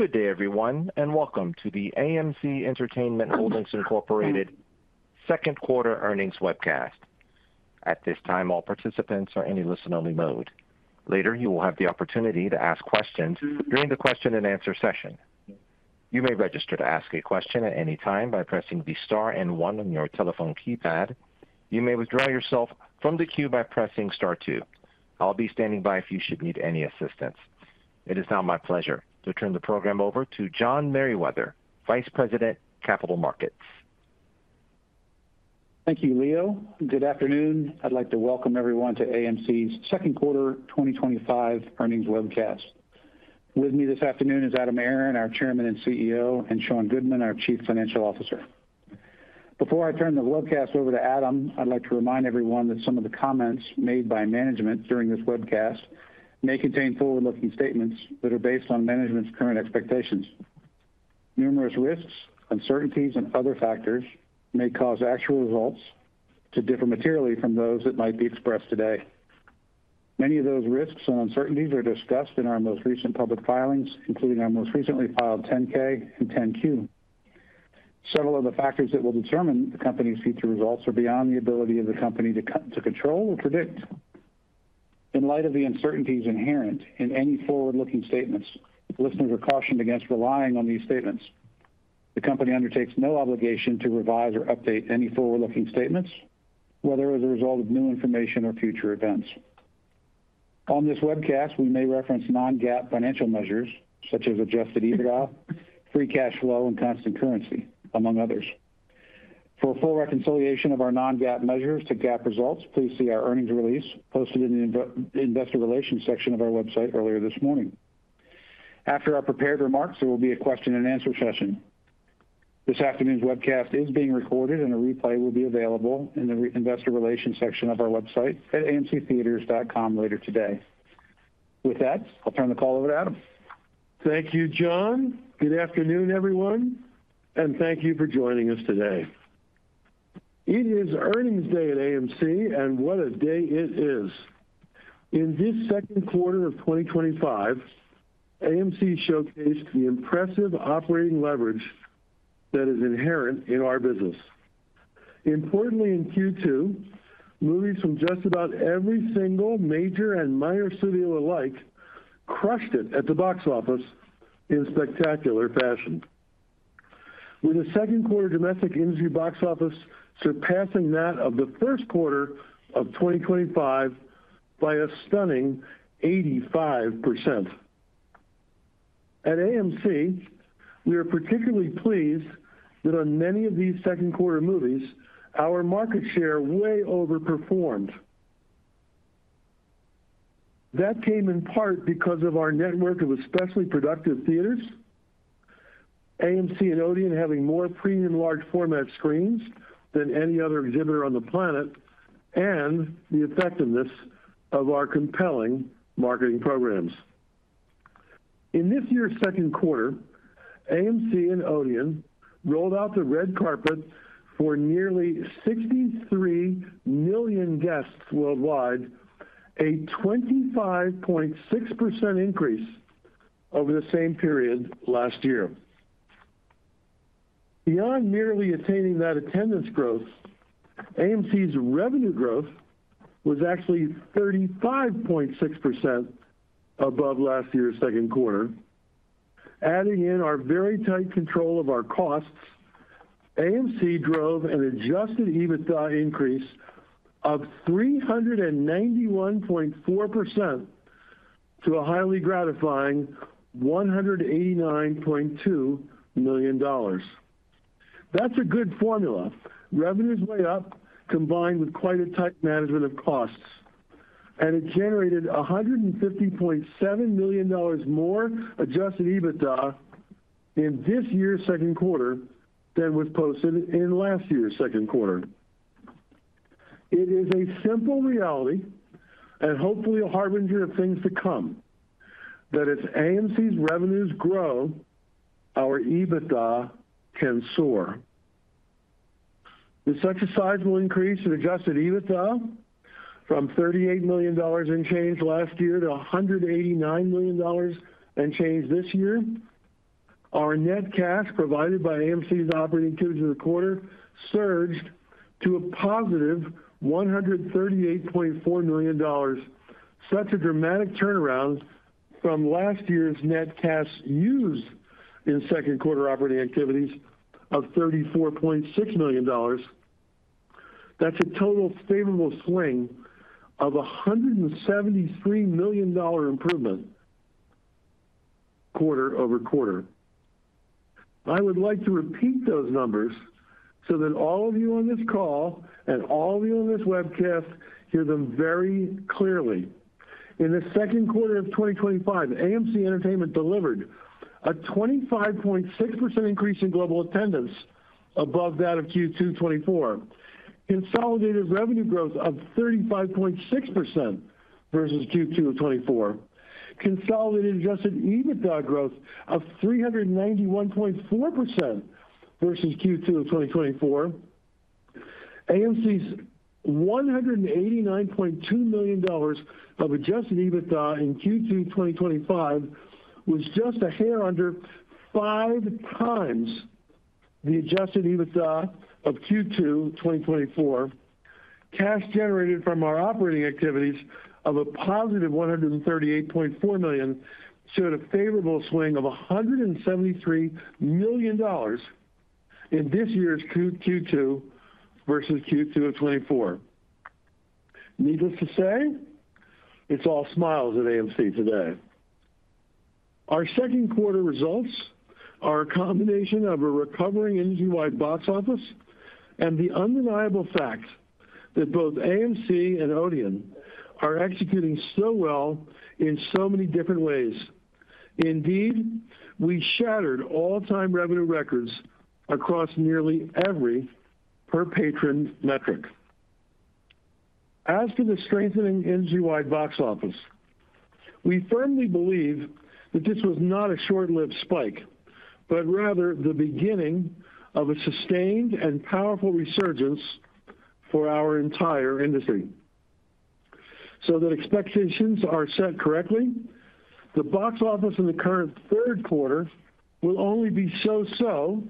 Good day, everyone, and welcome to the AMC Entertainment Holdings Inc. Second Quarter Earnings Webcast. At this time, all participants are in a listen-only mode. Later, you will have the opportunity to ask questions during the question and answer session. You may register to ask a question at any time by pressing the star and one on your telephone keypad. You may withdraw yourself from the queue by pressing star two. I'll be standing by if you should need any assistance. It is now my pleasure to turn the program over to John Merriwether, Vice President, Capital Markets. Thank you, Leo. Good afternoon. I'd like to welcome everyone to AMC's Second Quarter 2025 Earnings Webcast. With me this afternoon is Adam Aron, our Chairman and CEO, and Sean Goodman, our Chief Financial Officer. Before I turn the webcast over to Adam, I'd like to remind everyone that some of the comments made by management during this webcast may contain forward-looking statements that are based on management's current expectations. Numerous risks, uncertainties, and other factors may cause actual results to differ materially from those that might be expressed today. Many of those risks and uncertainties are discussed in our most recent public filings, including our most recently filed 10-K and 10-Q. Several of the factors that will determine the company's future results are beyond the ability of the company to control or predict. In light of the uncertainties inherent in any forward-looking statements, listeners are cautioned against relying on these statements. The company undertakes no obligation to revise or update any forward-looking statements, whether as a result of new information or future events. On this webcast, we may reference non-GAAP financial measures such as adjusted EBITDA, free cash flow, and constant currency, among others. For a full reconciliation of our non-GAAP measures to GAAP results, please see our earnings release posted in the Investor Relations section of our website earlier this morning. After our prepared remarks, there will be a question and answer session. This afternoon's webcast is being recorded, and a replay will be available in the Investor Relations section of our website at amctheaters.com later today. With that, I'll turn the call over to Adam. Thank you, John. Good afternoon, everyone, and thank you for joining us today. It is Earnings Day at AMC, and what a day it is. In this second quarter of 2025, AMC showcased the impressive operating leverage that is inherent in our business. Importantly, in Q2, movies from just about every single major and minor studio alike crushed it at the box office in spectacular fashion, with the second quarter's domestic industry box office surpassing that of the first quarter of 2025 by a stunning 85%. At AMC, we are particularly pleased that on many of these second quarter movies, our market share way overperformed. That came in part because of our network of especially productive theaters, AMC and Odeon having more premium large format screens than any other exhibitor on the planet, and the effectiveness of our compelling marketing programs. In this year's second quarter, AMC and Odeon rolled out the red carpet for nearly 63 million guests worldwide, a 25.6% increase over the same period last year. Beyond merely attaining that attendance growth, AMC's revenue growth was actually 35.6% above last year's second quarter. Adding in our very tight control of our costs, AMC drove an adjusted EBITDA increase of 391.4% to a highly gratifying $189.2 million. That's a good formula. Revenues way up, combined with quite a tight management of costs, and it generated $150.7 million more adjusted EBITDA in this year's second quarter than was posted in last year's second quarter. It is a simple reality, and hopefully a harbinger of things to come, that if AMC's revenues grow, our EBITDA can soar. With such a sizable increase in adjusted EBITDA from $38 million last year to $189 million this year, our net cash provided by AMC's operating activities in the quarter surged to a positive $138.4 million. Such a dramatic turnaround from last year's net cash used in second quarter operating activities of $34.6 million. That's a total favorable swing of a $173 million improvement quarter over quarter. I would like to repeat those numbers so that all of you on this call and all of you on this webcast hear them very clearly. In the second quarter of 2025, AMC Entertainment delivered a 25.6% increase in global attendance above that of Q2 2024, consolidated revenue growth of 35.6% versus Q2 of 2024, consolidated adjusted EBITDA growth of 391.4% versus Q2 of 2024. AMC's $189.2 million of adjusted EBITDA in Q2 2025 was just a hair under five times the adjusted EBITDA of Q2 2024. Cash generated from our operating activities of a positive $138.4 million showed a favorable swing of $173 million in this year's Q2 versus Q2 of 2024. Needless to say, it's all smiles at AMC today. Our second quarter results are a combination of a recovering industry-wide box office and the undeniable fact that both AMC and Odeon are executing so well in so many different ways. Indeed, we shattered all-time revenue records across nearly every per-patron metric. As to the strengthening industry-wide box office, we firmly believe that this was not a short-lived spike, but rather the beginning of a sustained and powerful resurgence for our entire industry. To ensure that expectations are set correctly, the box office in the current third quarter will only be so-so,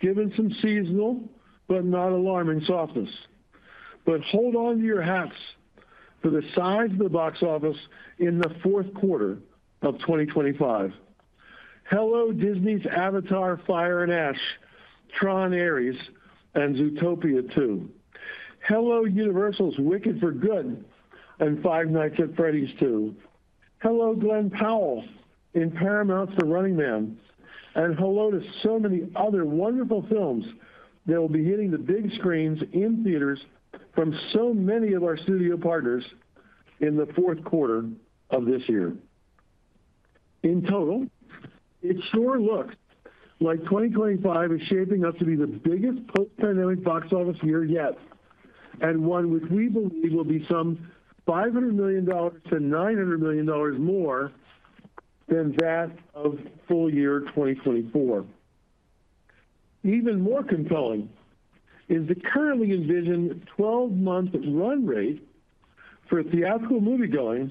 given some seasonal but not alarming softness. Hold on to your hats for the size of the box office in the fourth quarter of 2025. Hello Disney's Avatar: Fire and Ash, Tron: Ares, and Zootopia 2. Hello Universal's Wicked: For Good and Five Nights at Freddy's 2. Hello Glen Powell in Paramount's The Running Man. Hello to so many other wonderful films that will be hitting the big screens in theaters from so many of our studio partners in the fourth quarter of this year. In total, it sure looks like 2025 is shaping up to be the biggest post-pandemic box office year yet, and one which we believe will be some $500 million-$900 million more than that of full-year 2024. Even more compelling is the currently envisioned 12-month run rate for theatrical moviegoing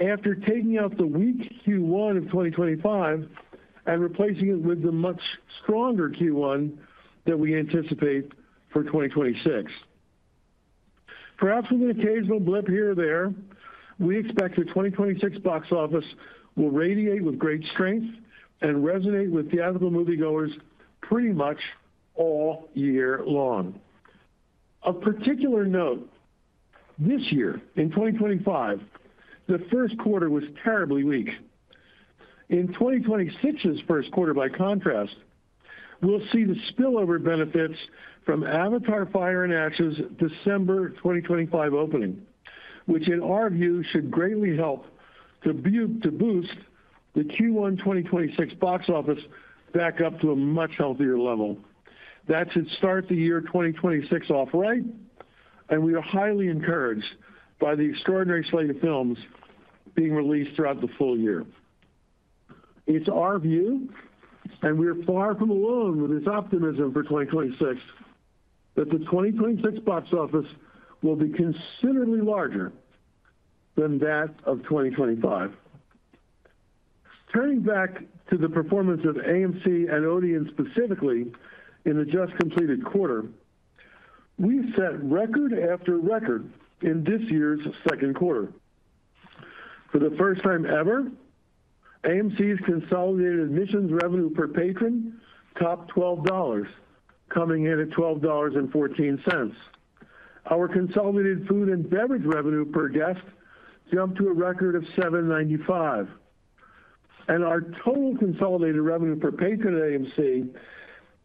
after taking out the weak Q1 of 2025 and replacing it with the much stronger Q1 that we anticipate for 2026. Perhaps with an occasional blip here or there, we expect the 2026 box office will radiate with great strength and resonate with theatrical moviegoers pretty much all year long. Of particular note, this year in 2025, the first quarter was terribly weak. In 2026's first quarter, by contrast, we'll see the spillover benefits from Avatar: Fire and Ash's December 2025 opening, which in our view should greatly help to boost the Q1 2026 box office back up to a much healthier level. That should start the year 2026 off right, and we are highly encouraged by the extraordinary slate of films being released throughout the full year. It's our view, and we are far from alone with this optimism for 2026, that the 2026 box office will be considerably larger than that of 2025. Turning back to the performance of AMC and Odeon specifically in the just completed quarter, we set record after record in this year's second quarter. For the first time ever, AMC's consolidated admissions revenue per patron topped $12, coming in at $12.14. Our consolidated food and beverage revenue per guest jumped to a record of $7.95, and our total consolidated revenue per patron at AMC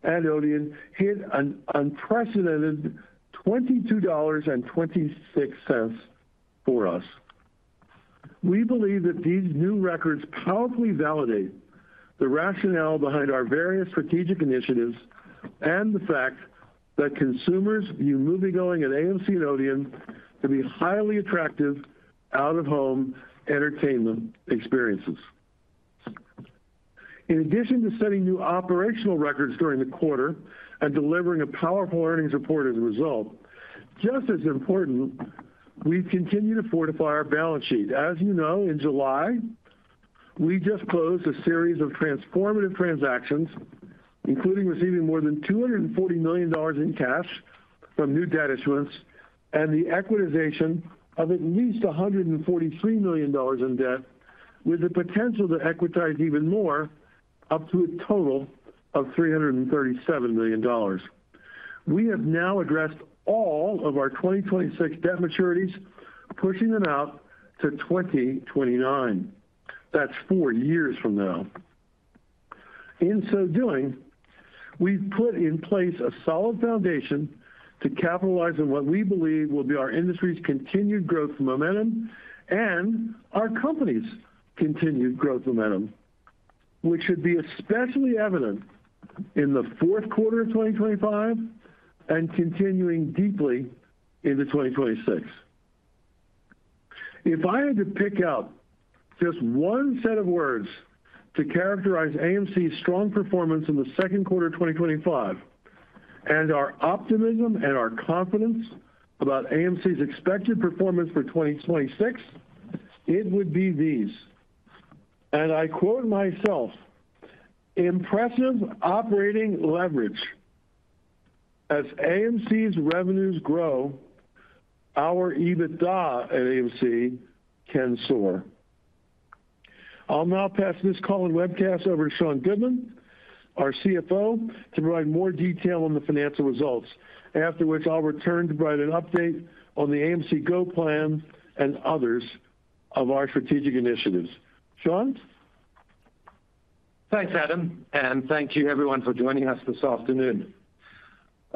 and Odeon hit an unprecedented $22.26 for us. We believe that these new records powerfully validate the rationale behind our various strategic initiatives and the fact that consumers view moviegoing at AMC and Odeon to be highly attractive out-of-home entertainment experiences. In addition to setting new operational records during the quarter and delivering a powerful earnings report as a result, just as important, we continue to fortify our balance sheet. As you know, in July, we just closed a series of transformative transactions, including receiving more than $240 million in cash from new debt issuance and the equitization of at least $143 million in debt, with the potential to equitize even more up to a total of $337 million. We have now addressed all of our 2026 debt maturities, pushing them out to 2029. That's four years from now. In so doing, we've put in place a solid foundation to capitalize on what we believe will be our industry's continued growth momentum and our company's continued growth momentum, which should be especially evident in the fourth quarter of 2025 and continuing deeply into 2026. If I had to pick out just one set of words to characterize AMC's strong performance in the second quarter of 2025 and our optimism and our confidence about AMC's expected performance for 2026, it would be these. And I quote myself, "Impressive operating leverage." As AMC's revenues grow, our EBITDA at AMC can soar. I'll now pass this call and webcast over to Sean Goodman, our CFO, to provide more detail on the financial results, after which I'll return to provide an update on the AMC Go plan and others of our strategic initiatives. Sean? Thanks, Adam, and thank you, everyone, for joining us this afternoon.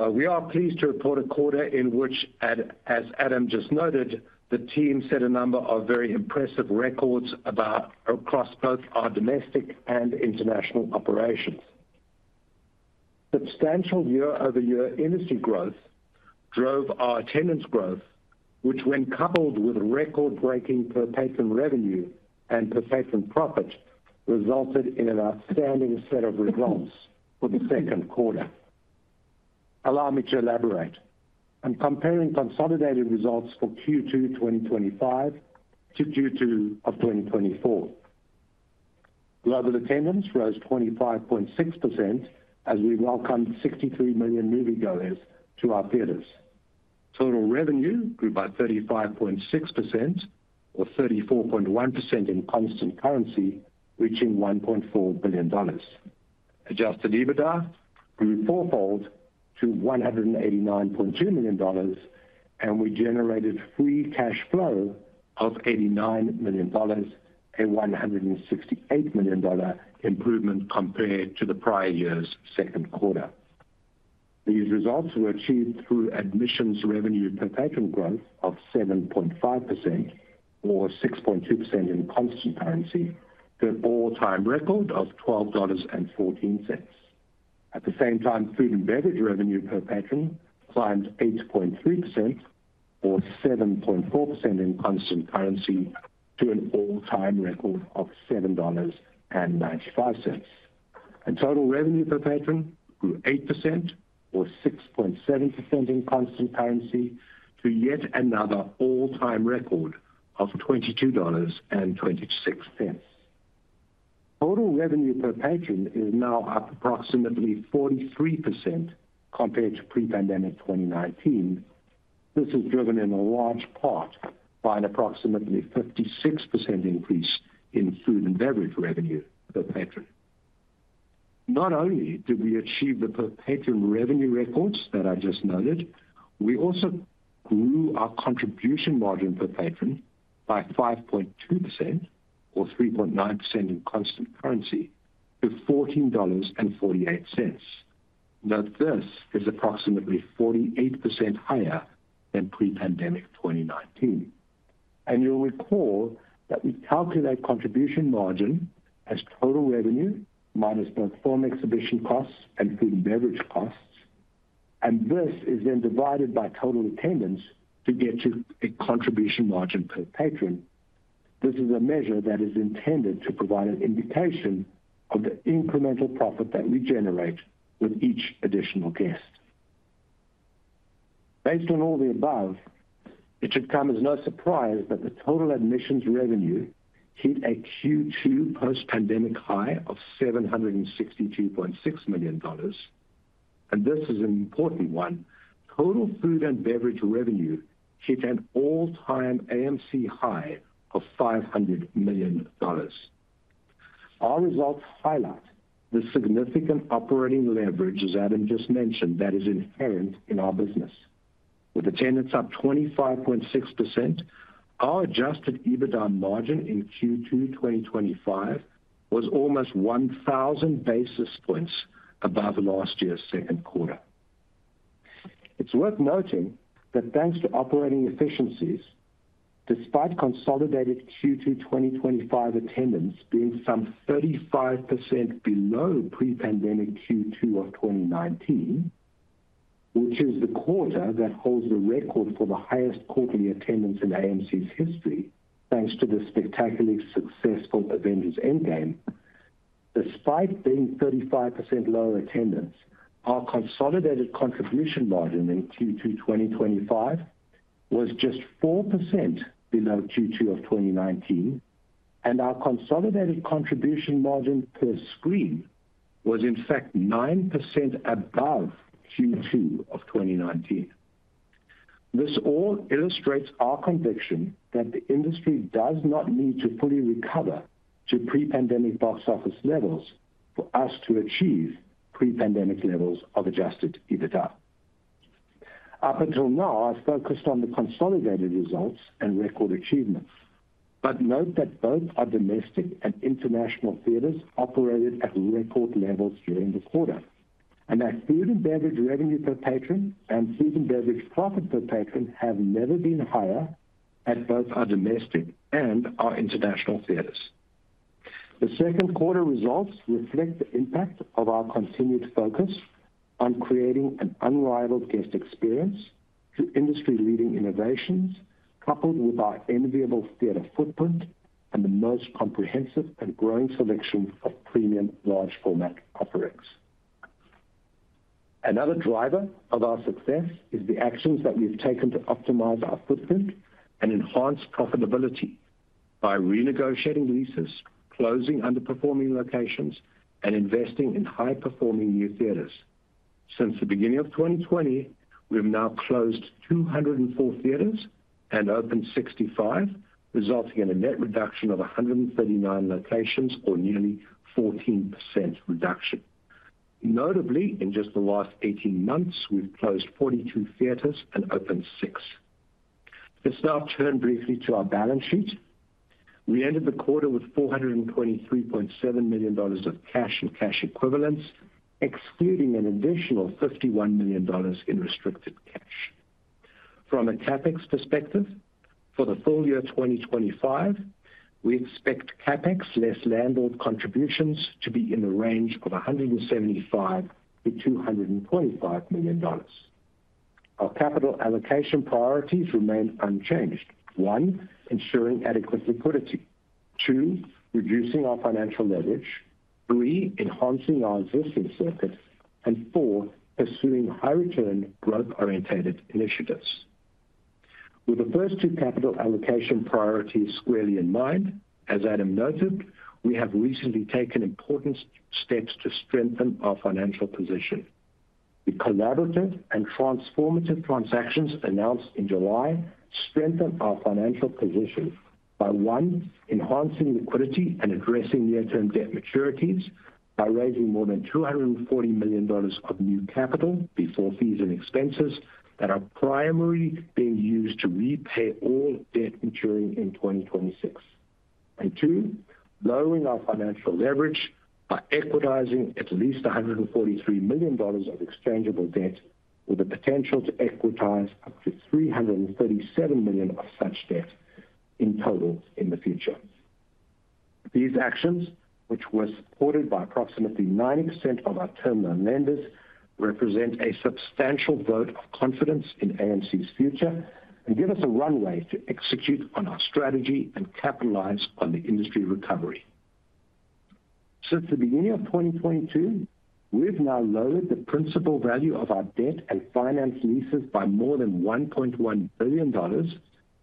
We are pleased to report a quarter in which, as Adam just noted, the team set a number of very impressive records across both our domestic and international operations. Substantial year-over-year industry growth drove our attendance growth, which, when coupled with record-breaking per-patron revenue and per-patron profit, resulted in an outstanding set of results for the second quarter. Allow me to elaborate. I'm comparing consolidated results for Q2 2025 to Q2 of 2024. Global attendance rose 25.6% as we welcomed 63 million moviegoers to our theaters. Total revenue grew by 35.6%, or 34.1% in constant currency, reaching $1.4 billion. Adjusted EBITDA grew fourfold to $189.2 million, and we generated free cash flow of $89 million, a $168 million improvement compared to the prior year's second quarter. These results were achieved through admissions revenue per patron growth of 7.5%, or 6.2% in constant currency, to an all-time record of $12.14. At the same time, food and beverage revenue per patron climbed 8.3%, or 7.4% in constant currency, to an all-time record of $7.95. Total revenue per patron grew 8%, or 6.7% in constant currency, to yet another all-time record of $22.26. Total revenue per patron is now up approximately 43% compared to pre-pandemic 2019. This is driven in a large part by an approximately 56% increase in food and beverage revenue per patron. Not only did we achieve the per-patron revenue records that I just noted, we also grew our contribution margin per patron by 5.2%, or 3.9% in constant currency, to $14.48. Note this is approximately 48% higher than pre-pandemic 2019. You'll recall that we calculate contribution margin as total revenue minus performing exhibition costs and food and beverage costs, and this is then divided by total attendance to get to a contribution margin per patron. This is a measure that is intended to provide an indication of the incremental profit that we generate with each additional guest. Based on all the above, it should come as no surprise that the total admissions revenue hit a Q2 post-pandemic high of $762.6 million. This is an important one. Total food and beverage revenue hit an all-time AMC high of $500 million. Our results highlight the significant operating leverage, as Adam just mentioned, that is inherent in our business. With attendance up 25.6%, our adjusted EBITDA margin in Q2 2025 was almost 1,000 basis points above last year's second quarter. It's worth noting that thanks to operating efficiencies, despite consolidated Q2 2025 attendance being some 35% below pre-pandemic Q2 of 2019, which is the quarter that holds the record for the highest quarterly attendance in AMC's history, thanks to the spectacularly successful Avengers: Endgame. Despite being 35% lower attendance, our consolidated contribution margin in Q2 2025 was just 4% below Q2 of 2019, and our consolidated contribution margin per screen was, in fact, 9% above Q2 of 2019. This all illustrates our conviction that the industry does not need to fully recover to pre-pandemic box office levels for us to achieve pre-pandemic levels of adjusted EBITDA. Up until now, I focused on the consolidated results and record achievements, but note that both our domestic and international theaters operated at record levels during the quarter, and that food and beverage revenue per patron and food and beverage profit per patron have never been higher at both our domestic and our international theaters. The second quarter results reflect the impact of our continued focus on creating an unrivaled guest experience through industry-leading innovations, coupled with our enviable theater footprint and the most comprehensive and growing selection of premium large format offerings. Another driver of our success is the actions that we've taken to optimize our footprint and enhance profitability by renegotiating leases, closing underperforming locations, and investing in high-performing new theaters. Since the beginning of 2020, we've now closed 204 theaters and opened 65, resulting in a net reduction of 139 locations, or nearly 14% reduction. Notably, in just the last 18 months, we've closed 42 theaters and opened 6. Just now turn briefly to our balance sheet. We ended the quarter with $423.7 million of cash and cash equivalents, excluding an additional $51 million in restricted cash. From a CapEx perspective, for the full year 2025, we expect CapEx less landlord contributions to be in the range of $175 million-$225 million. Our capital allocation priorities remain unchanged: one, ensuring adequate liquidity; two, reducing our financial leverage; three, enhancing our existing circuit; and four, pursuing high-return growth-orientated initiatives. With the first two capital allocation priorities squarely in mind, as Adam noted, we have recently taken important steps to strengthen our financial position. The collaborative and transformative transactions announced in July strengthen our financial position by, one, enhancing liquidity and addressing near-term debt maturities by raising more than $240 million of new capital before fees and expenses that are primarily being used to repay all debt maturing in 2026, and two, lowering our financial leverage by equitizing at least $143 million of exchangeable debt with the potential to equitize up to $337 million of such debt in total in the future. These actions, which were supported by approximately 90% of our terminal lenders, represent a substantial vote of confidence in AMC Entertainment Holdings Inc.'s future and give us a runway to execute on our strategy and capitalize on the industry recovery. Since the beginning of 2022, we've now lowered the principal value of our debt and financed leases by more than $1.1 billion,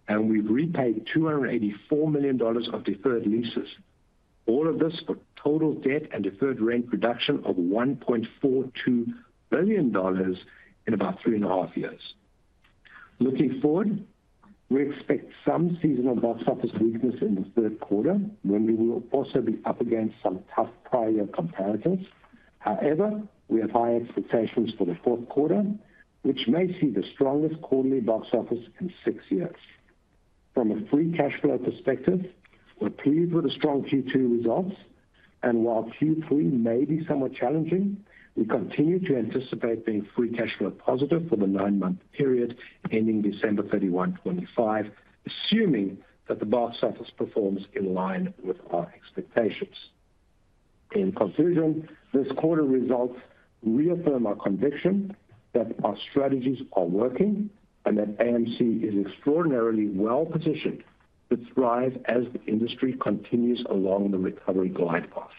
and we've repaid $284 million of deferred leases. All of this for total debt and deferred rent reduction of $1.42 billion in about three and a half years. Looking forward, we expect some seasonal box office weakness in the third quarter, when we will also be up against some tough prior year competitors. However, we have high expectations for the fourth quarter, which may see the strongest quarterly box office in six years. From a free cash flow perspective, we're pleased with the strong Q2 results, and while Q3 may be somewhat challenging, we continue to anticipate being free cash flow positive for the nine-month period ending December 31, 2025, assuming that the box office performs in line with our expectations. In conclusion, this quarter's results reaffirm our conviction that our strategies are working and that AMC is extraordinarily well positioned to thrive as the industry continues along the recovery glide path.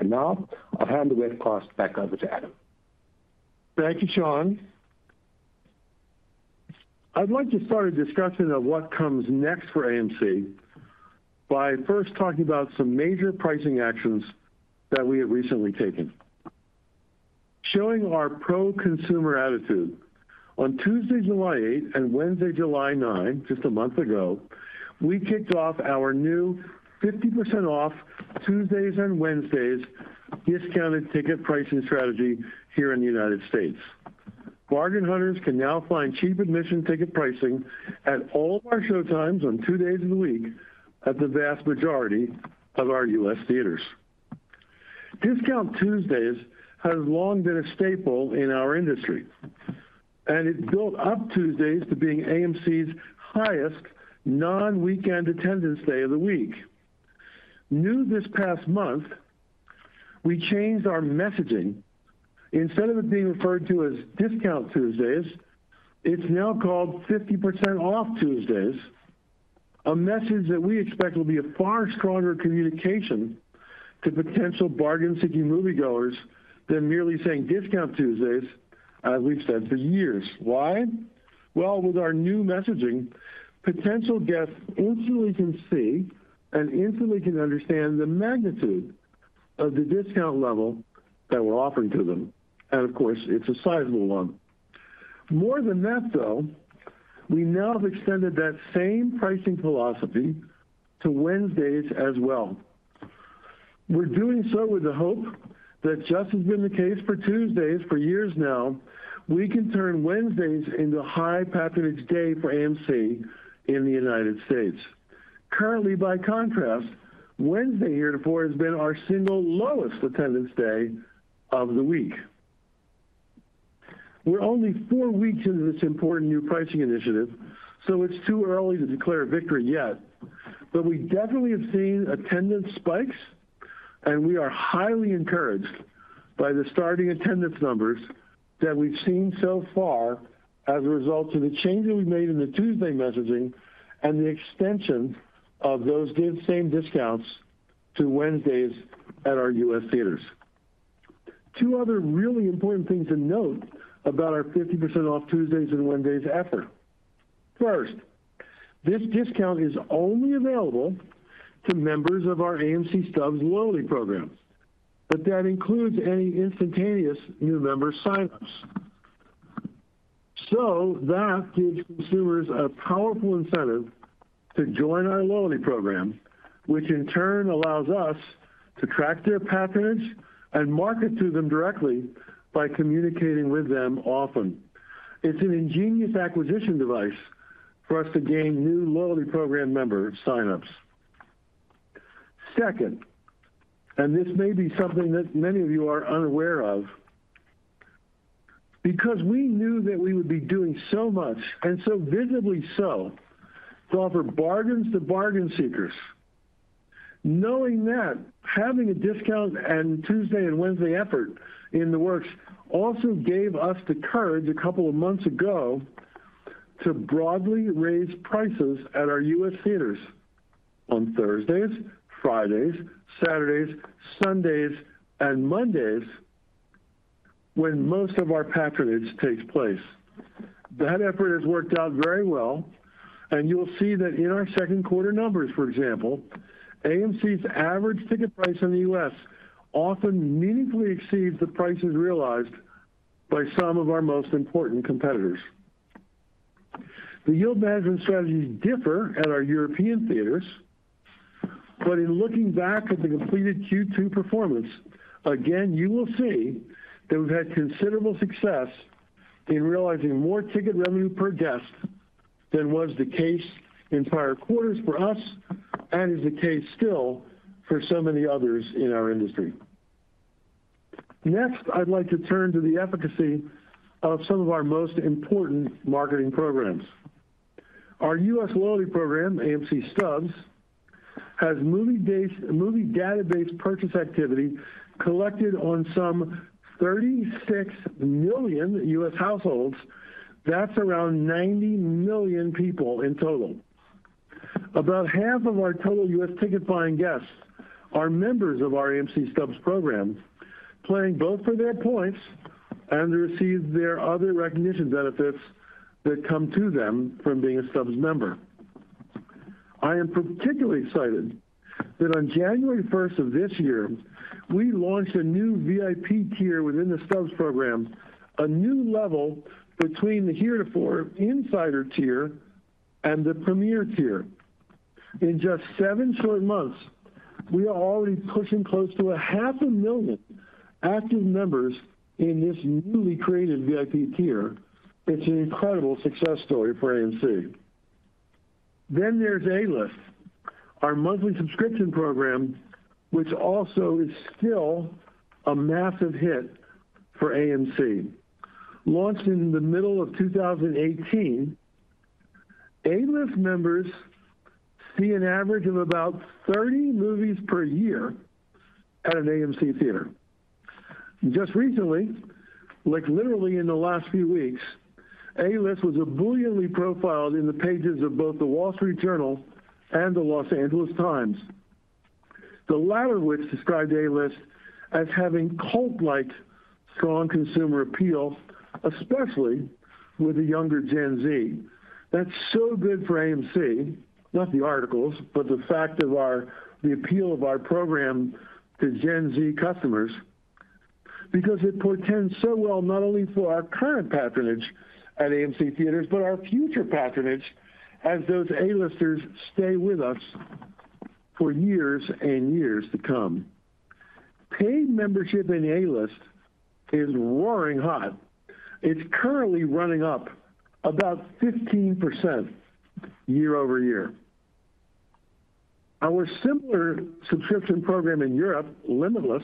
I will hand the webcast back over to Adam. Thank you, Sean. I'd like to start a discussion of what comes next for AMC by first talking about some major pricing actions that we have recently taken. Showing our pro-consumer attitude, on Tuesday, July 8 and Wednesday, July 9, just a month ago, we kicked off our new 50% off Tuesdays and Wednesdays discounted ticket pricing strategy here in the U.S. Bargain hunters can now find cheap admission ticket pricing at all of our showtimes on two days of the week at the vast majority of our U.S. theaters. Discount Tuesdays has long been a staple in our industry, and it built up Tuesdays to being AMC's highest non-weekend attendance day of the week. New this past month, we changed our messaging. Instead of it being referred to as Discount Tuesdays, it's now called 50% Off Tuesdays, a message that we expect will be a far stronger communication to potential bargain-seeking moviegoers than merely saying Discount Tuesdays, as we've said for years. Why? With our new messaging, potential guests instantly can see and instantly can understand the magnitude of the discount level that we're offering to them. Of course, it's a sizable one. More than that, though, we now have extended that same pricing philosophy to Wednesdays as well. We're doing so with the hope that just as has been the case for Tuesdays for years now, we can turn Wednesdays into a high-patronage day for AMC in the U.S. Currently, by contrast, Wednesday heretofore has been our single lowest attendance day of the week. We're only four weeks into this important new pricing initiative, so it's too early to declare victory yet. We definitely have seen attendance spikes, and we are highly encouraged by the starting attendance numbers that we've seen so far as a result of the changes we've made in the Tuesday messaging and the extension of those same discounts to Wednesdays at our U.S. theaters. Two other really important things to note about our 50% off Tuesdays and Wednesdays effort. First, this discount is only available to members of our AMC Stubs loyalty program, but that includes any instantaneous new member sign-ups. That gives consumers a powerful incentive to join our loyalty program, which in turn allows us to track their patronage and market to them directly by communicating with them often. It's an ingenious acquisition device for us to gain new loyalty program member sign-ups. Second, and this may be something that many of you are unaware of, because we knew that we would be doing so much, and so visibly so, to offer bargains to bargain seekers. Knowing that, having a discount and Tuesday and Wednesday effort in the works also gave us the courage a couple of months ago to broadly raise prices at our U.S. theaters on Thursdays, Fridays, Saturdays, Sundays, and Mondays when most of our patronage takes place. That effort has worked out very well, and you will see that in our second quarter numbers, for example, AMC's average ticket price in the U.S. often meaningfully exceeds the prices realized by some of our most important competitors. The yield management strategies differ at our European theaters, but in looking back at the completed Q2 performance, again, you will see that we've had considerable success in realizing more ticket revenue per guest than was the case in prior quarters for us and is the case still for so many others in our industry. Next, I'd like to turn to the efficacy of some of our most important marketing programs. Our U.S. loyalty program, AMC Stubs, has movie database purchase activity collected on some 36 million U.S. households. That's around 90 million people in total. About half of our total U.S. ticket-buying guests are members of our AMC Stubs program, playing both for their points and to receive their other recognition benefits that come to them from being a Stubs member. I am particularly excited that on January 1st of this year, we launched a new VIP tier within the Stubs program, a new level between the heretofore Insider tier and the Premier tier. In just seven short months, we are already pushing close to a half a million active members in this newly created VIP tier. It's an incredible success story for AMC. There's A-List, our monthly subscription program, which also is still a massive hit for AMC. Launched in the middle of 2018, A-List members see an average of about 30 movies per year at an AMC theater. Just recently, like literally in the last few weeks, A-List was ably profiled in the pages of both The Wall Street Journal and the Los Angeles Times, the latter of which described A-List as having cult-like strong consumer appeal, especially with the younger Gen Z. That's so good for AMC, not the articles, but the fact of the appeal of our program to Gen Z customers, because it portends so well not only for our current patronage at AMC theaters, but our future patronage as those A-Listers stay with us for years and years to come. Paid membership in A-List is roaring hot. It's currently running up about 15% year-over-year. Our similar subscription program in Europe, Limitless,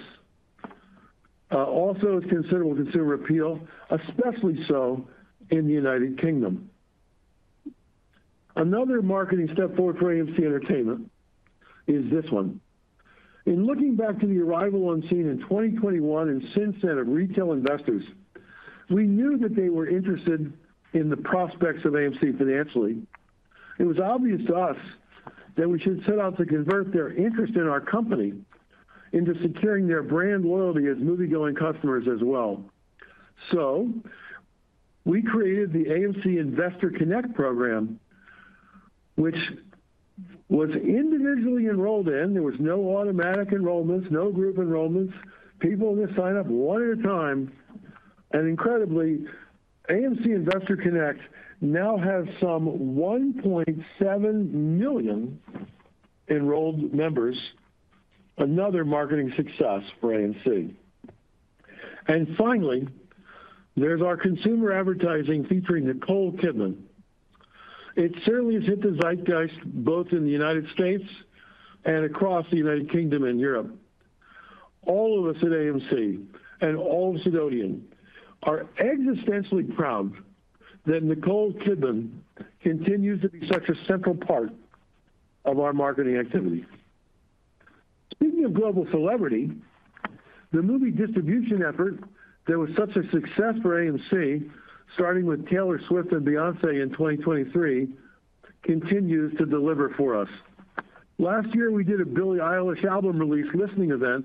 also has considerable consumer appeal, especially so in the United Kingdom. Another marketing step forward for AMC Entertainment is this one. In looking back to the arrival on scene in 2021 and since then of retail investors, we knew that they were interested in the prospects of AMC financially. It was obvious to us that we should set out to convert their interest in our company into securing their brand loyalty as moviegoing customers as well. We created the AMC Investor Connect program, which was individually enrolled in. There was no automatic enrollments, no group enrollments. People only sign up one at a time. Incredibly, AMC Investor Connect now has some 1.7 million enrolled members, another marketing success for AMC. Finally, there's our consumer advertising featuring Nicole Kidman. It certainly has hit the zeitgeist both in the United States and across the United Kingdom and Europe. All of us at AMC and all of us at Odeon are existentially proud that Nicole Kidman continues to be such a central part of our marketing activity. Speaking of global celebrity, the movie distribution effort that was such a success for AMC, starting with Taylor Swift and Beyoncé in 2023, continues to deliver for us. Last year, we did a Billie Eilish album release listening event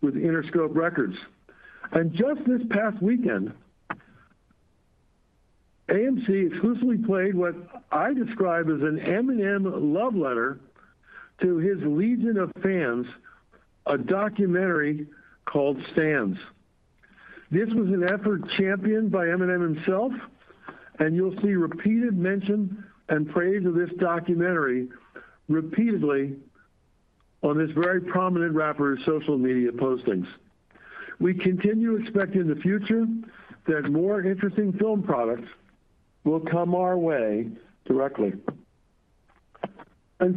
with Interscope Records. Just this past weekend, AMC exclusively played what I describe as an Eminem love letter to his legion of fans, a documentary called Stans. This was an effort championed by Eminem himself, and you'll see repeated mention and praise of this documentary repeatedly on this very prominent rapper's social media postings. We continue to expect in the future that more interesting film products will come our way directly.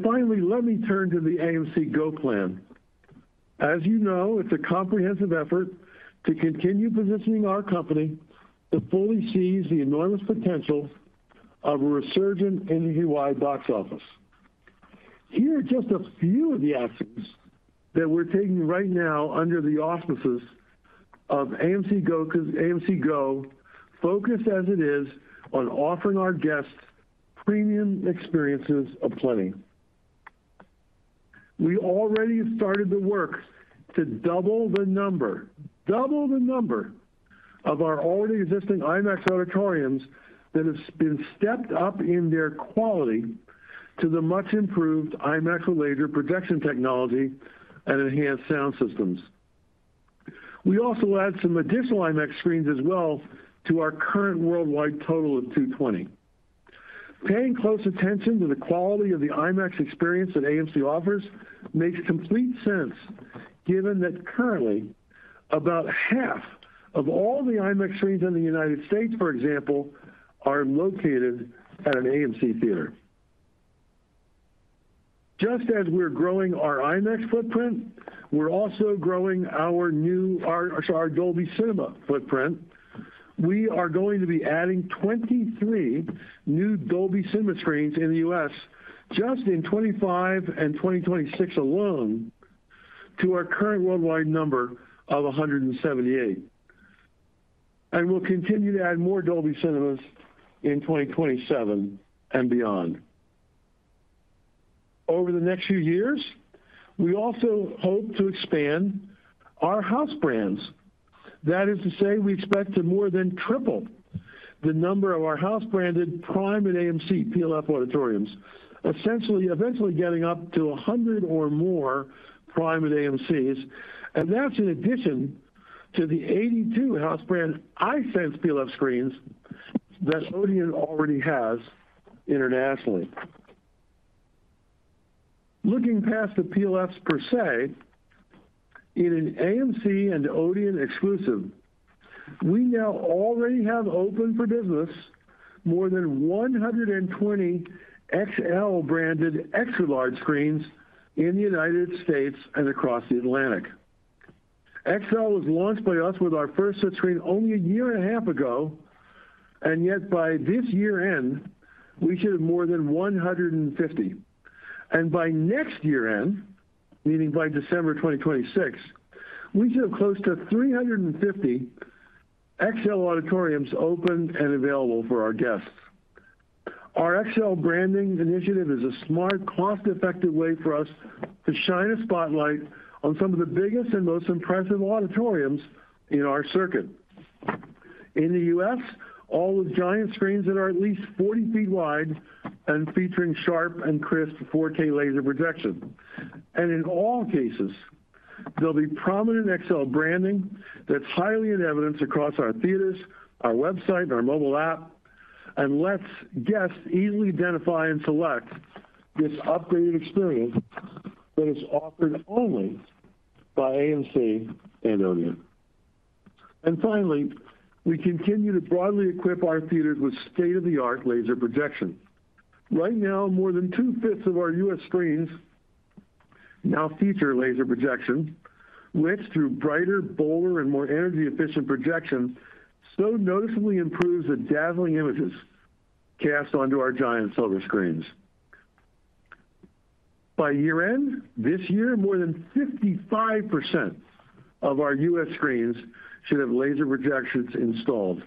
Finally, let me turn to the AMC Go Plan. As you know, it's a comprehensive effort to continue positioning our company to fully seize the enormous potential of a resurgent in the box office. Here are just a few of the actions that we're taking right now under the auspices of AMC Go, focused as it is on offering our guests premium experiences of plenty. We already have started the work to double the number, double the number of our already existing IMAX auditoriums that have been stepped up in their quality to the much-improved IMAX laser projection technology and enhanced sound systems. We also added some additional IMAX screens as well to our current worldwide total of 220. Paying close attention to the quality of the IMAX experience that AMC offers makes complete sense, given that currently about half of all the IMAX screens in the U.S., for example, are located at an AMC theater. Just as we're growing our IMAX footprint, we're also growing our new, our Dolby Cinema footprint. We are going to be adding 23 new Dolby Cinema screens in the U.S., just in 2025 and 2026 alone, to our current worldwide number of 178. We'll continue to add more Dolby Cinemas in 2027 and beyond. Over the next few years, we also hope to expand our house brands. That is to say, we expect to more than triple the number of our house-branded Prime and AMC PLF auditoriums, essentially eventually getting up to 100 or more Prime and AMCs. That's in addition to the 82 house-brand iSense PLF screens that Odeon already has internationally. Looking past the PLFs per se, in an AMC and Odeon exclusive, we now already have open for business more than 120 XL branded extra-large screens in the U.S. and across the Atlantic. XL was launched by us with our first set screen only a year and a half ago, yet by this year-end, we should have more than 150. By next year-end, meaning by December 2026, we should have close to 350 XL auditoriums open and available for our guests. Our XL branding initiative is a smart, cost-effective way for us to shine a spotlight on some of the biggest and most impressive auditoriums in our circuit. In the U.S., all those giant screens that are at least 40 feet wide and featuring sharp and crisp 4K laser projection. In all cases, there'll be prominent XL branding that's highly in evidence across our theaters, our website, and our mobile app, and lets guests easily identify and select this updated experience that is offered only by AMC and Odeon. Finally, we continue to broadly equip our theaters with state-of-the-art laser projection. Right now, more than two-fifths of our U.S. screens now feature laser projection, which, through brighter, bolder, and more energy-efficient projection, so noticeably improves the dazzling images cast onto our giant silver screens. By year-end this year, more than 55% of our U.S. screens should have laser projections installed.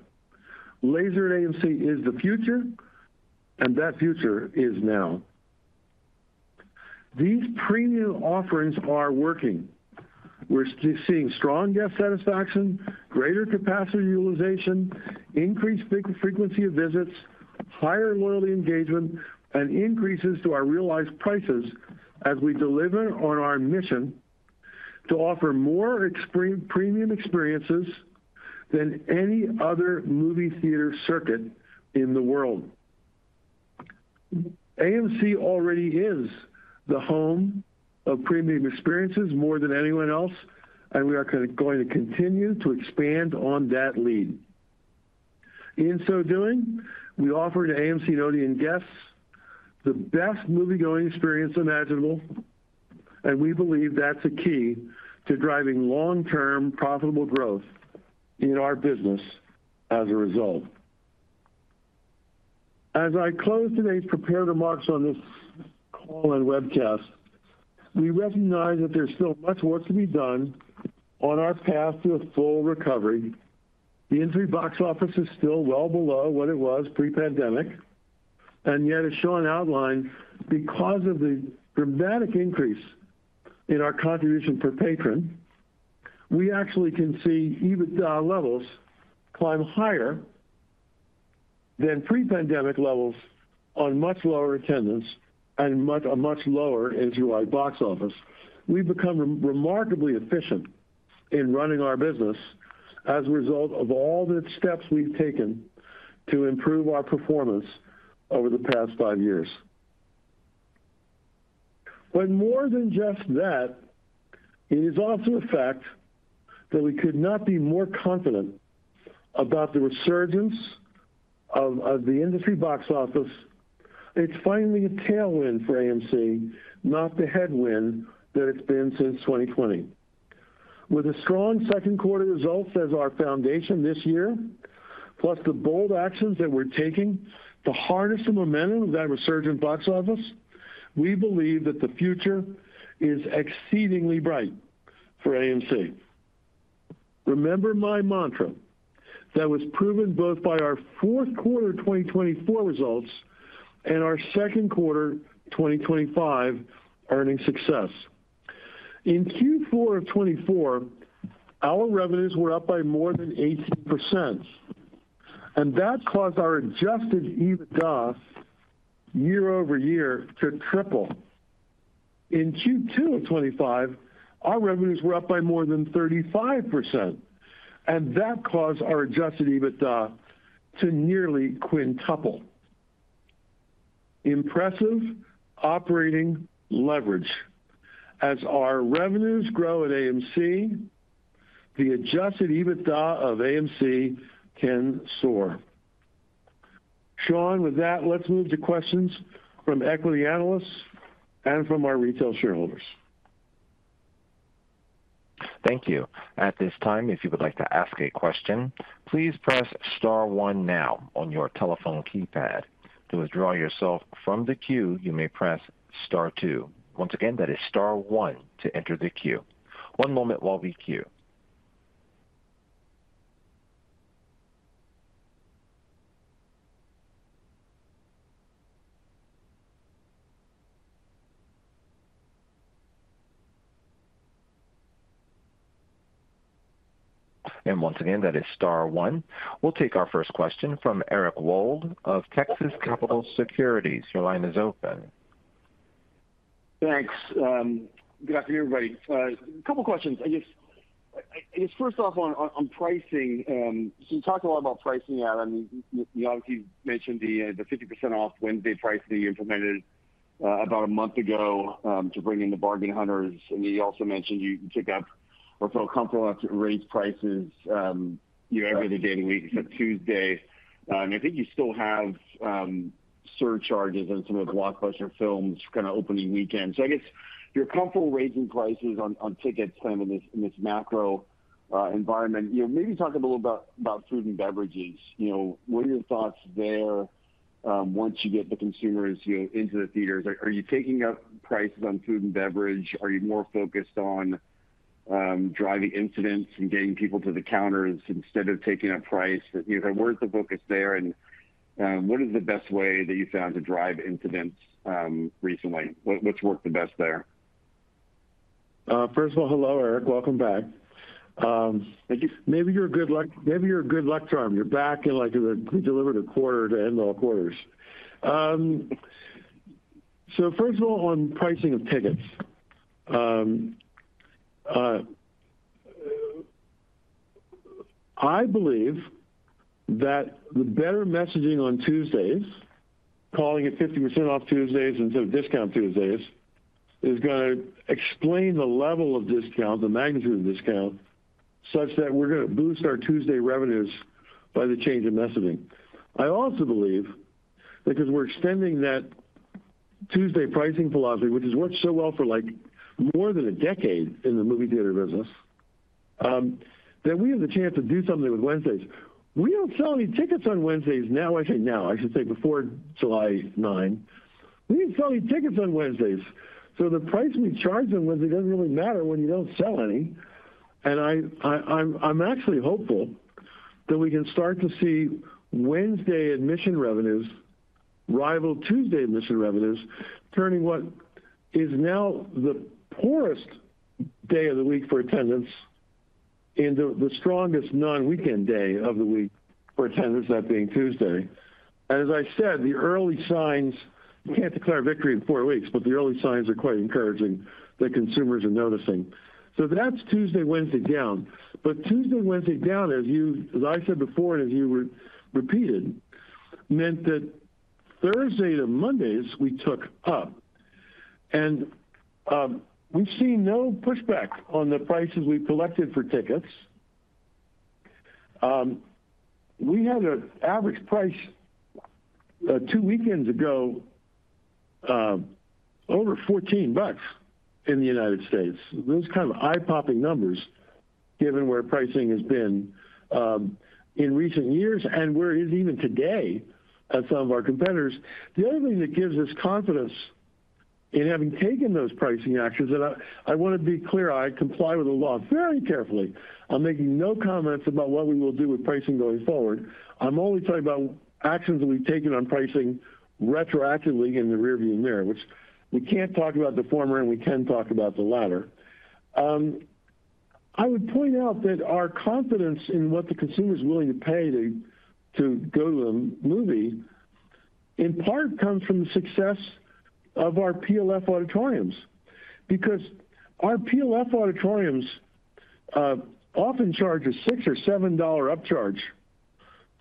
Laser at AMC is the future, and that future is now. These premium offerings are working. We're seeing strong guest satisfaction, greater capacity utilization, increased frequency of visits, higher loyalty engagement, and increases to our realized prices as we deliver on our mission to offer more premium experiences than any other movie theater circuit in the world. AMC already is the home of premium experiences more than anyone else, and we are going to continue to expand on that lead. In so doing, we offer to AMC and Odeon guests the best moviegoing experience imaginable, and we believe that's a key to driving long-term profitable growth in our business as a result. As I close today's prepared remarks on this call and webcast, we recognize that there's still much work to be done on our path to a full recovery. The industry box office is still well below what it was pre-pandemic, and yet, as Sean outlined, because of the dramatic increase in our contribution per patron, we actually can see EBITDA levels climb higher than pre-pandemic levels on much lower attendance and a much lower industry-wide box office. We've become remarkably efficient in running our business as a result of all the steps we've taken to improve our performance over the past five years. It is also a fact that we could not be more confident about the resurgence of the industry box office. It's finally a tailwind for AMC, not the headwind that it's been since 2020. With a strong second quarter result as our foundation this year, plus the bold actions that we're taking, the harnessing momentum of that resurgent box office, we believe that the future is exceedingly bright for AMC. Remember my mantra that was proven both by our fourth quarter 2024 results and our second quarter 2025 earning success. In Q4 of 2024, our revenues were up by more than 18%, and that's caused our adjusted EBITDA year-over-year to triple. In Q2 of 2025, our revenues were up by more than 35%, and that caused our adjusted EBITDA to nearly quintuple. Impressive operating leverage. As our revenues grow at AMC, the adjusted EBITDA of AMC can soar. Sean, with that, let's move to questions from equity analysts and from our retail shareholders. Thank you. At this time, if you would like to ask a question, please press star one now on your telephone keypad. To withdraw yourself from the queue, you may press star two. Once again, that is star one to enter the queue. One moment while we queue. Once again, that is star one. We'll take our first question from Eric Wold of Texas Capital Securities. Your line is open. Thanks. Good afternoon, everybody. A couple of questions. First off, on pricing, you talk a lot about pricing now. You obviously mentioned the 50% Off Wednesday pricing that you implemented about a month ago to bring in the bargain hunters, and you also mentioned you feel comfortable enough to raise prices every other day of the week except Tuesday. I think you still have surcharges on some of the blockbuster films opening weekend. I guess you're comfortable raising prices on tickets in this macro environment. Maybe talk a little bit about food and beverages. What are your thoughts there once you get the consumers into the theaters? Are you taking up prices on food and beverage? Are you more focused on driving incidents and getting people to the counters instead of taking up price? Where's the focus there, and what is the best way that you found to drive incidents recently? What's worked the best there? First of all, hello, Eric. Welcome back. Thank you. Maybe you're a good luck, maybe you're a good luck charm. You're back and like you delivered a quarter to end all quarters. First of all, on pricing of tickets, I believe that the better messaging on Tuesdays, calling it 50% Off Tuesdays instead of Discount Tuesdays, is going to explain the level of discount, the magnitude of discount, such that we're going to boost our Tuesday revenues by the change in messaging. I also believe that because we're extending that Tuesday pricing philosophy, which has worked so well for more than a decade in the movie theater business, we have the chance to do something with Wednesdays. We don't sell any tickets on Wednesdays now. I say now. I should say before July 9. We didn't sell any tickets on Wednesdays. The price we charge on Wednesday doesn't really matter when you don't sell any. I'm actually hopeful that we can start to see Wednesday admission revenues rival Tuesday admission revenues, turning what is now the poorest day of the week for attendance into the strongest non-weekend day of the week for attendance, that being Tuesday. As I said, the early signs, you can't declare victory in four weeks, but the early signs are quite encouraging that consumers are noticing. That's Tuesday, Wednesday down. Tuesday, Wednesday down, as you, as I said before, and as you repeated, meant that Thursday to Mondays we took up. We've seen no pushback on the prices we've collected for tickets. We had an average price two weekends ago over $14 in the U.S. Those kind of eye-popping numbers given where pricing has been in recent years and where it is even today at some of our competitors. The other thing that gives us confidence in having taken those pricing actions, and I want to be clear, I comply with the law very carefully. I'm making no comments about what we will do with pricing going forward. I'm only talking about actions that we've taken on pricing retroactively in the rearview mirror, which we can't talk about the former and we can't talk about the latter. I would point out that our confidence in what the consumer is willing to pay to go to a movie in part comes from the success of our PLF auditoriums, because our PLF auditoriums often charge a $6 or $7 upcharge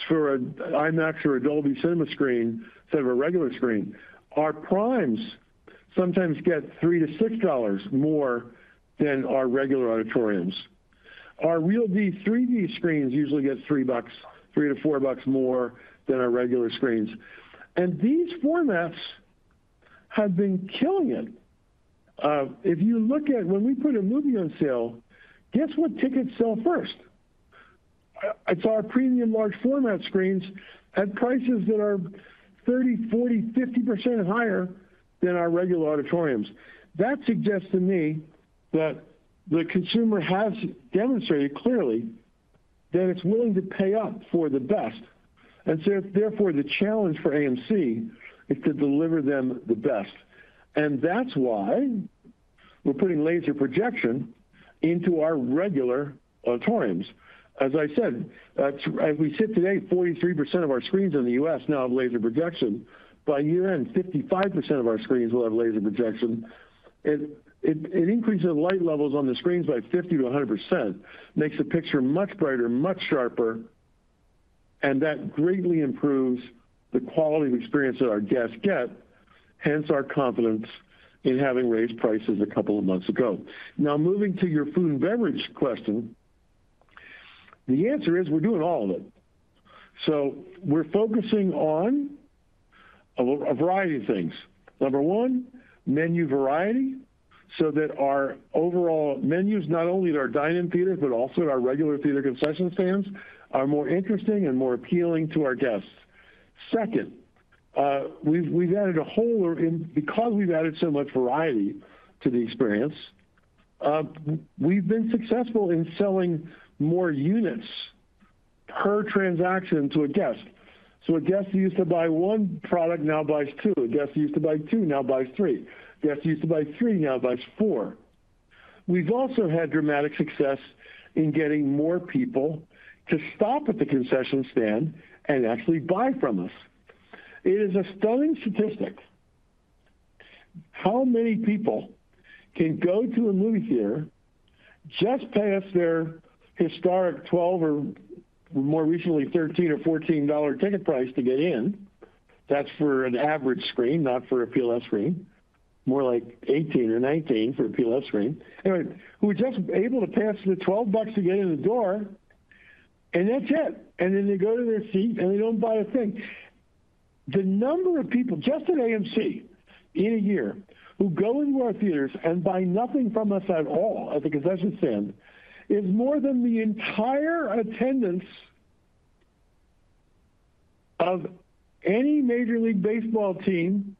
for an IMAX or a Dolby Cinema screen instead of a regular screen. Our primes sometimes get $3-$6 more than our regular auditoriums. Our RealD 3D screens usually get $3, $3-$4 more than our regular screens. These formats have been killing it. If you look at when we put a movie on sale, guess what tickets sell first? It's our premium large format screens at prices that are 30%, 40%, 50% higher than our regular auditoriums. That suggests to me that the consumer has demonstrated clearly that it's willing to pay up for the best. Therefore, the challenge for AMC is to deliver them the best. That's why we're putting laser projection into our regular auditoriums. As I said, as we sit today, 43% of our screens in the U.S. now have laser projection. By year-end, 55% of our screens will have laser projection. It increases the light levels on the screens by 50%-100%. It makes the picture much brighter, much sharper, and that greatly improves the quality of experience that our guests get, hence our confidence in having raised prices a couple of months ago. Now, moving to your food and beverage question, the answer is we're doing all of it. We're focusing on a variety of things. Number one, menu variety, so that our overall menus, not only at our dine-in theaters, but also at our regular theater concession stands, are more interesting and more appealing to our guests. Second, we've added a whole, or because we've added so much variety to the experience, we've been successful in selling more units per transaction to a guest. A guest who used to buy one product now buys two. A guest who used to buy two now buys three. A guest who used to buy three now buys four. We've also had dramatic success in getting more people to stop at the concession stand and actually buy from us. It is a stunning statistic. How many people can go to a movie theater just past their historic $12 or more recently $13 or $14 ticket price to get in? That's for an average screen, not for a PLF screen. More like $18 or $19 for a PLF screen. Anyway, who are just able to pass the $12 to get in the door, and that's it. Then they go to their seat and they don't buy a thing. The number of people just at AMC in a year who go into our theaters and buy nothing from us at all at the concession stand is more than the entire attendance of any Major League Baseball team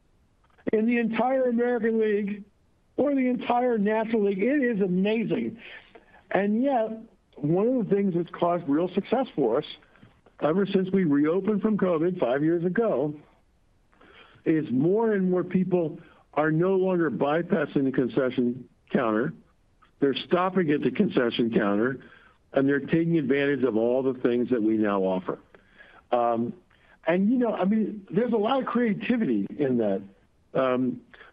in the entire American League or the entire National League. It is amazing. One of the things that's caused real success for us ever since we reopened from COVID five years ago is more and more people are no longer bypassing the concession counter. They're stopping at the concession counter, and they're taking advantage of all the things that we now offer. There's a lot of creativity in that.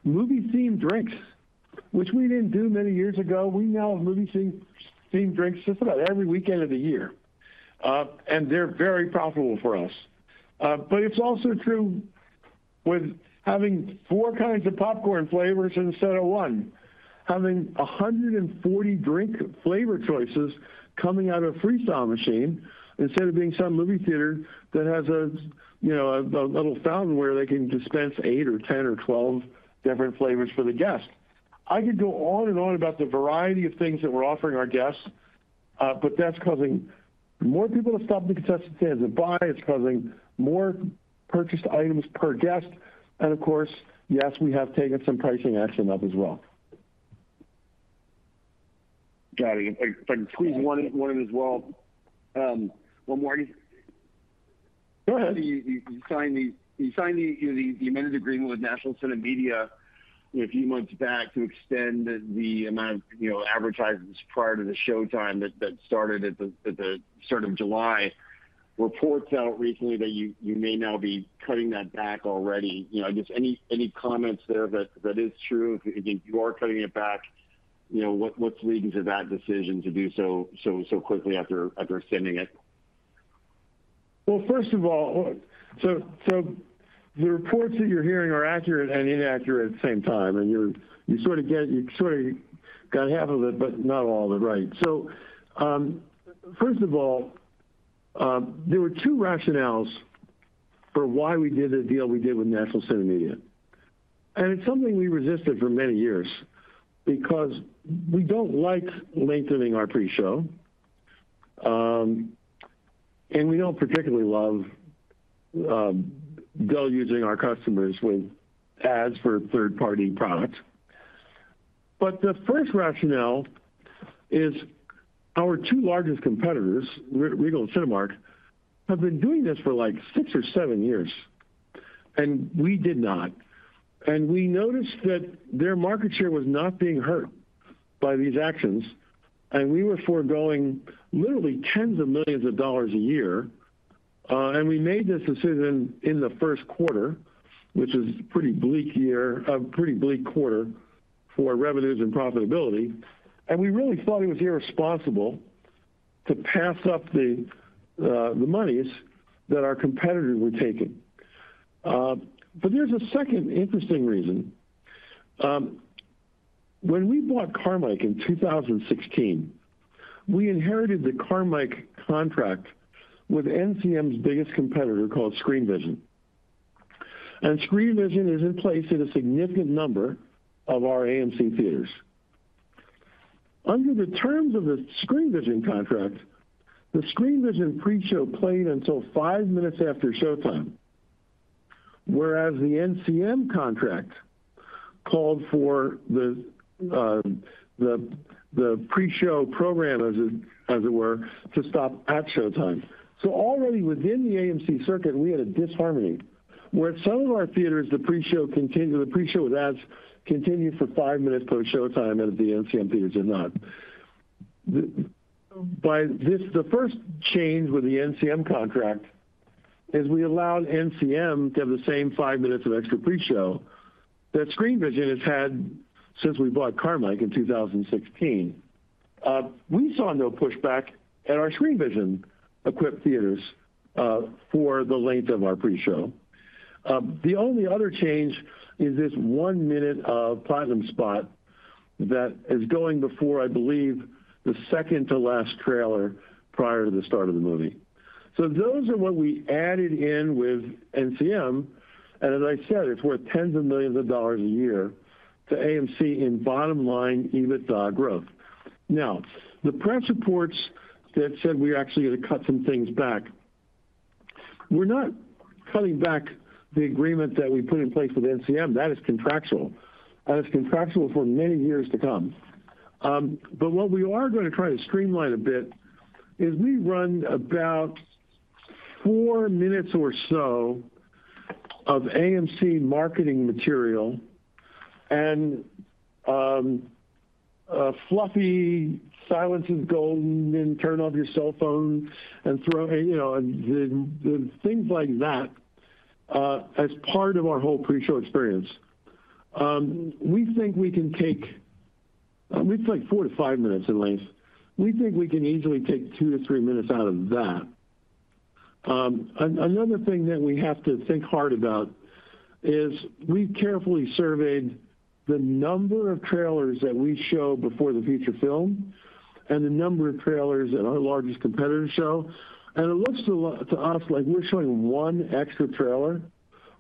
Movie-themed drinks, which we didn't do many years ago, we now have movie-themed drinks just about every weekend of the year, and they're very profitable for us. It's also true with having four kinds of popcorn flavors instead of one, having 140 drink flavor choices coming out of a freestyle machine instead of being some movie theater that has a little fountain where they can dispense eight or 10 or 12 different flavors for the guest. I could go on and on about the variety of things that we're offering our guests, but that's causing more people to stop at the concession stands and buy. It's causing more purchased items per guest. Of course, yes, we have taken some pricing action up as well. Got it. I can squeeze one in as well. One more. Go ahead. You signed the amended agreement with National CineMedia a few months back to extend the amount of advertisements prior to the showtime that started at the start of July. Reports out recently that you may now be cutting that back already. I guess any comments there, is that true? If you are cutting it back, what's leading to that decision to do so quickly after extending it? First of all, the reports that you're hearing are accurate and inaccurate at the same time. You sort of get it, you sort of got half of it, but not all of it, right? First of all, there were two rationales for why we did the deal we did with National CineMedia. It's something we resisted for many years because we don't like lengthening our pre-show, and we don't particularly love deluging our customers with ads for third-party products. The first rationale is our two largest competitors, Regal and Cinemark, have been doing this for like six or seven years. We did not, and we noticed that their market share was not being hurt by these actions. We were foregoing literally tens of millions of dollars a year. We made this decision in the first quarter, which is a pretty bleak year, a pretty bleak quarter for revenues and profitability. We really thought it was irresponsible to pass up the monies that our competitors were taking. There's a second interesting reason. When we bought Carmike in 2016, we inherited the Carmike contract with NCM's biggest competitor called Screenvision. Screenvision is in place in a significant number of our AMC theaters. Under the terms of the Screenvision contract, the Screenvision pre-show played until five minutes after showtime, whereas the NCM contract called for the pre-show program, as it were, to stop at showtime. Already within the AMC circuit, we had a disharmony where in some of our theaters, the pre-show with ads continued for five minutes post-showtime, and the NCM theaters did not. The first change with the NCM contract is we allowed NCM to have the same five minutes of extra pre-show that Screenvision has had since we bought Carmike in 2016. We saw no pushback in our Screenvision equipped theaters for the length of our pre-show. The only other change is this one minute of platinum spot that is going before, I believe, the second-to-last trailer prior to the start of the movie. Those are what we added in with NCM. As I said, it's worth tens of millions of dollars a year to AMC in bottom-line EBITDA growth. The press reports that said we're actually going to cut some things back are not cutting back the agreement that we put in place with NCM. That is contractual. That is contractual for many years to come. What we are going to try to streamline a bit is we run about four minutes or so of AMC marketing material and fluffy silence is golden, then turn off your cell phone and throw, you know, the things like that as part of our whole pre-show experience. We think we can take, we'd say, four to five minutes in length. We think we can easily take two to three minutes out of that. Another thing that we have to think hard about is we carefully surveyed the number of trailers that we show before the feature film and the number of trailers that our largest competitors show. It looks to us like we're showing one extra trailer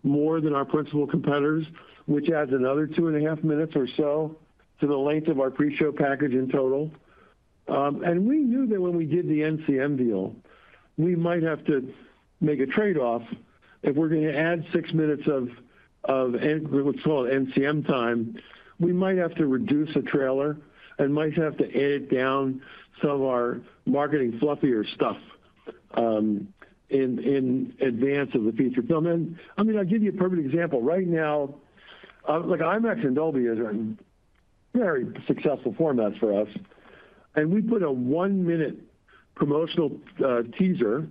more than our principal competitors, which adds another two and a half minutes or so to the length of our pre-show package in total. We knew that when we did the NCM deal, we might have to make a trade-off. If we're going to add six minutes of what's called NCM time, we might have to reduce a trailer and might have to edit down some of our marketing fluffier stuff in advance of the feature film. I'll give you a perfect example. Right now, IMAX and Dolby Cinema are very successful formats for us. We put a one-minute promotional teaser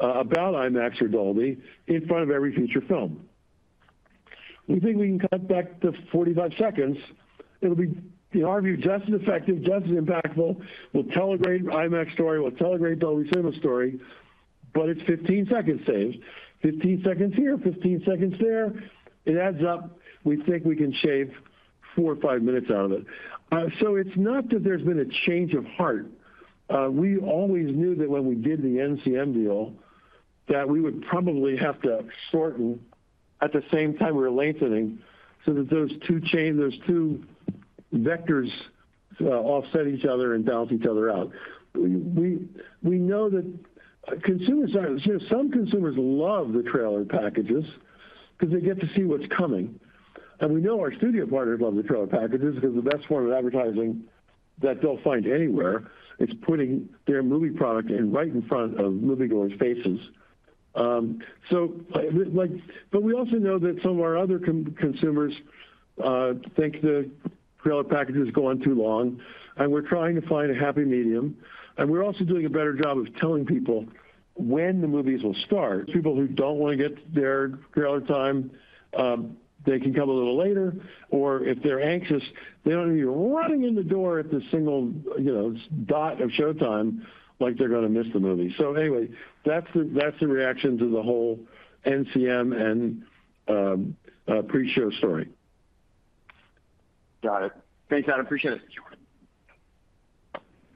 about IMAX or Dolby Cinema in front of every feature film. We think we can cut back to 45 seconds. It will be, in our view, just as effective, just as impactful. We'll tell a great IMAX story. We'll tell a great Dolby Cinema story. It is 15 seconds saved. Fifteen seconds here, 15 seconds there. It adds up. We think we can shave four or five minutes out of it. It is not that there's been a change of heart. We always knew that when we did the NCM deal, we would probably have to shorten at the same time we were lengthening so that those two chains, those two vectors offset each other and balance each other out. We know that consumers are, you know, some consumers love the trailer packages because they get to see what's coming. We know our studio partners love the trailer packages because the best form of advertising that they'll find anywhere is putting their movie product right in front of moviegoing spaces. We also know that some of our other consumers think the trailer packages go on too long, and we're trying to find a happy medium. We're also doing a better job of telling people when the movies will start. People who don't want to get their trailer time, they can come a little later, or if they're anxious, they don't need to be running in the door at the single, you know, dot of showtime like they're going to miss the movie. Anyway, that's the reaction to the whole NCM and pre-show story. Got it. Thanks, Adam. Appreciate it.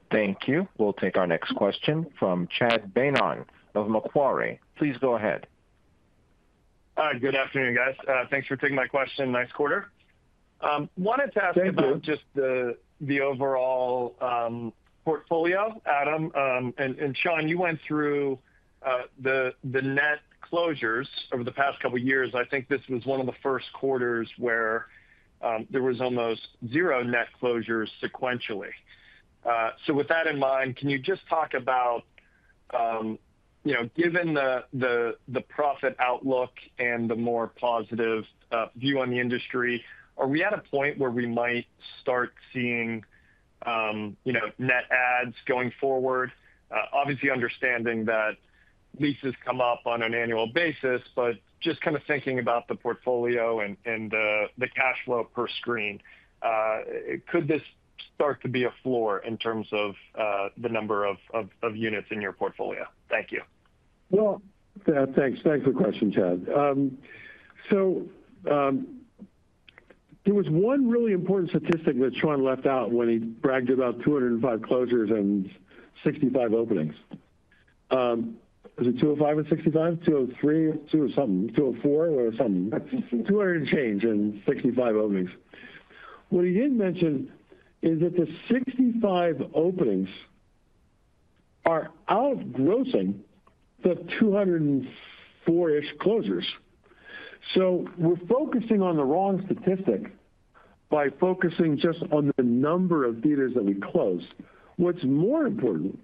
Thank you. We'll take our next question from Chad Beynon of Macquarie. Please go ahead. Good afternoon, guys. Thanks for taking my question. Nice quarter. Wanted to ask about just the overall portfolio, Adam. Sean, you went through the net closures over the past couple of years. I think this was one of the first quarters where there was almost zero net closures sequentially. With that in mind, can you just talk about, given the profit outlook and the more positive view on the industry, are we at a point where we might start seeing net ads going forward? Obviously, understanding that leases come up on an annual basis, just kind of thinking about the portfolio and the cash flow per screen, could this start to be a floor in terms of the number of units in your portfolio? Thank you. Thanks for the question, Chad. There was one really important statistic that Sean left out when he bragged about 205 closures and 65 openings. Is it 205 and 65? 203 and two or something? 204 or something? 200 and change and 65 openings. What he didn't mention is that the 65 openings are outgrowing the 204-ish closures. We're focusing on the wrong statistic by focusing just on the number of theaters that we close. What's more important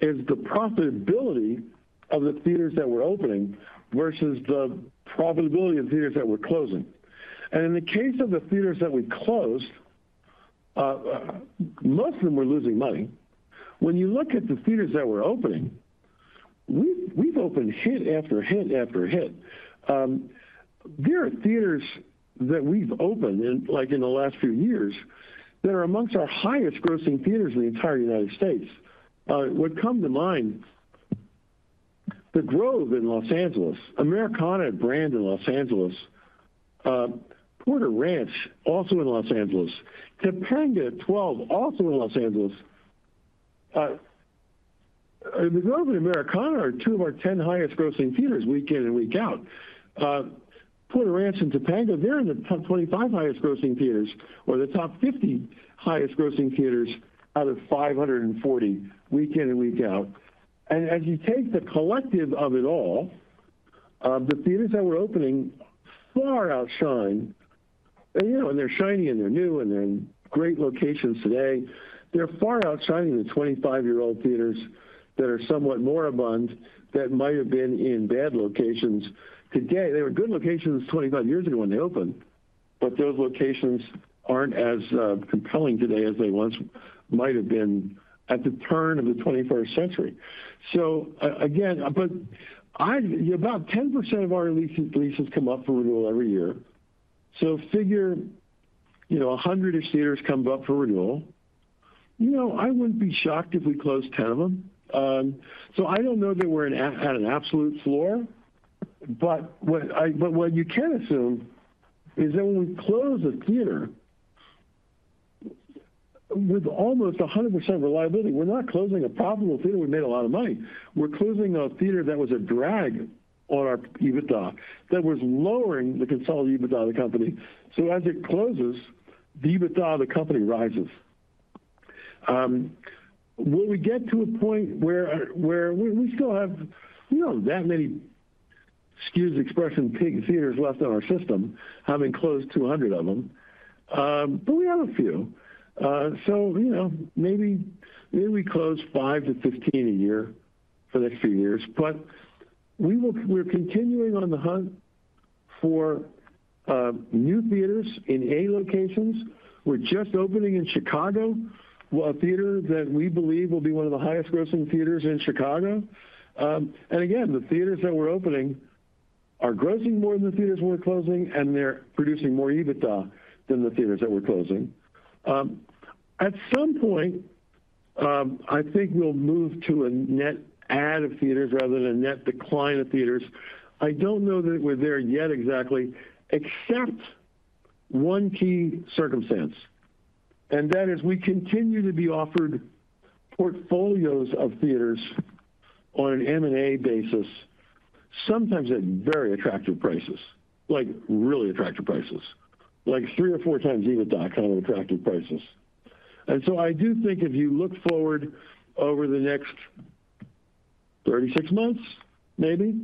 is the profitability of the theaters that we're opening versus the profitability of theaters that we're closing. In the case of the theaters that we closed, most of them were losing money. When you look at the theaters that we're opening, we've opened hit after hit after hit. There are theaters that we've opened in the last few years that are amongst our highest grossing theaters in the entire United States. What comes to mind: The Grove in Los Angeles, Americana at Brand in Los Angeles, Porter Ranch also in Los Angeles, Topanga at 12 also in Los Angeles. The Grove and Americana are two of our 10 highest grossing theaters week in and week out. Porter Ranch and Topanga, they're in the top 25 highest grossing theaters or the top 50 highest grossing theaters out of 540, week in and week out. As you take the collective of it all, the theaters that we're opening far outshine, you know, and they're shiny and they're new and they're in great locations today, they're far outshining the 25-year-old theaters that are somewhat more abundant that might have been in bad locations today. They were good locations 25 years ago when they opened, but those locations aren't as compelling today as they once might have been at the turn of the 21st century. Again, about 10% of our leases come up for renewal every year. Figure, you know, 100 of theaters come up for renewal. I wouldn't be shocked if we closed 10 of them. I don't know that we're at an absolute floor, but what you can assume is that when we close a theater with almost 100% reliability, we're not closing a profitable theater. We made a lot of money. We're closing a theater that was a drag on our EBITDA that was lowering the consolidated EBITDA of the company. As it closes, the EBITDA of the company rises. Will we get to a point where we still have, you know, that many, excuse the expression, pig theaters left in our system, having closed 200 of them? We have a few. Maybe we close 5 to 15 a year for the next few years. We're continuing on the hunt for new theaters in A locations. We're just opening in Chicago, a theater that we believe will be one of the highest grossing theaters in Chicago. The theaters that we're opening are grossing more than the theaters we're closing, and they're producing more EBITDA than the theaters that we're closing. At some point, I think we'll move to a net add of theaters rather than a net decline of theaters. I don't know that we're there yet exactly, except one key circumstance. That is, we continue to be offered portfolios of theaters on an M&A basis, sometimes at very attractive prices, like really attractive prices, like three or four times EBITDA kind of attractive prices. I do think if you look forward over the next 36 months, maybe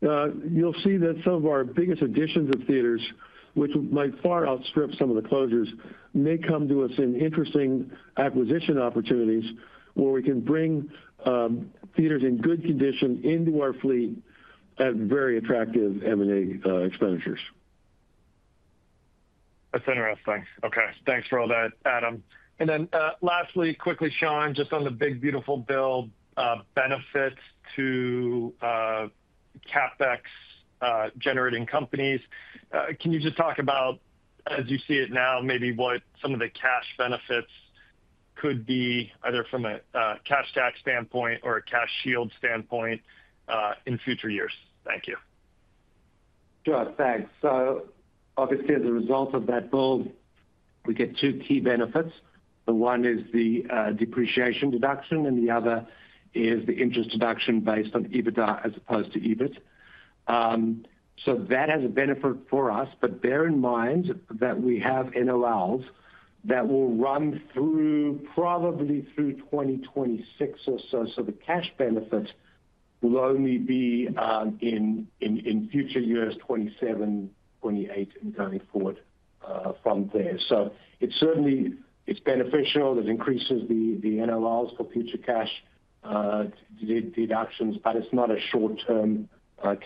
you'll see that some of our biggest additions of theaters, which might far outstrip some of the closures, may come to us in interesting acquisition opportunities where we can bring theaters in good condition into our fleet at very attractive M&A expenditures. That's interesting. Thank you for all that, Adam. Lastly, quickly, Sean, just on the big beautiful bill benefits to CapEx-generating companies, can you talk about, as you see it now, maybe what some of the cash benefits could be either from a cash tax standpoint or a cash yield standpoint in future years? Thank you. Sure. Thanks. Obviously, as a result of that bill, we get two key benefits. One is the depreciation deduction, and the other is the interest deduction based on EBITDA as opposed to EBIT. That has a benefit for us. Bear in mind that we have NOLs that will run probably through 2026 or so. The cash benefits will only be in future years, 2027, 2028, and going forward from there. It is certainly beneficial. It increases the NOLs for future cash deductions, but it's not a short-term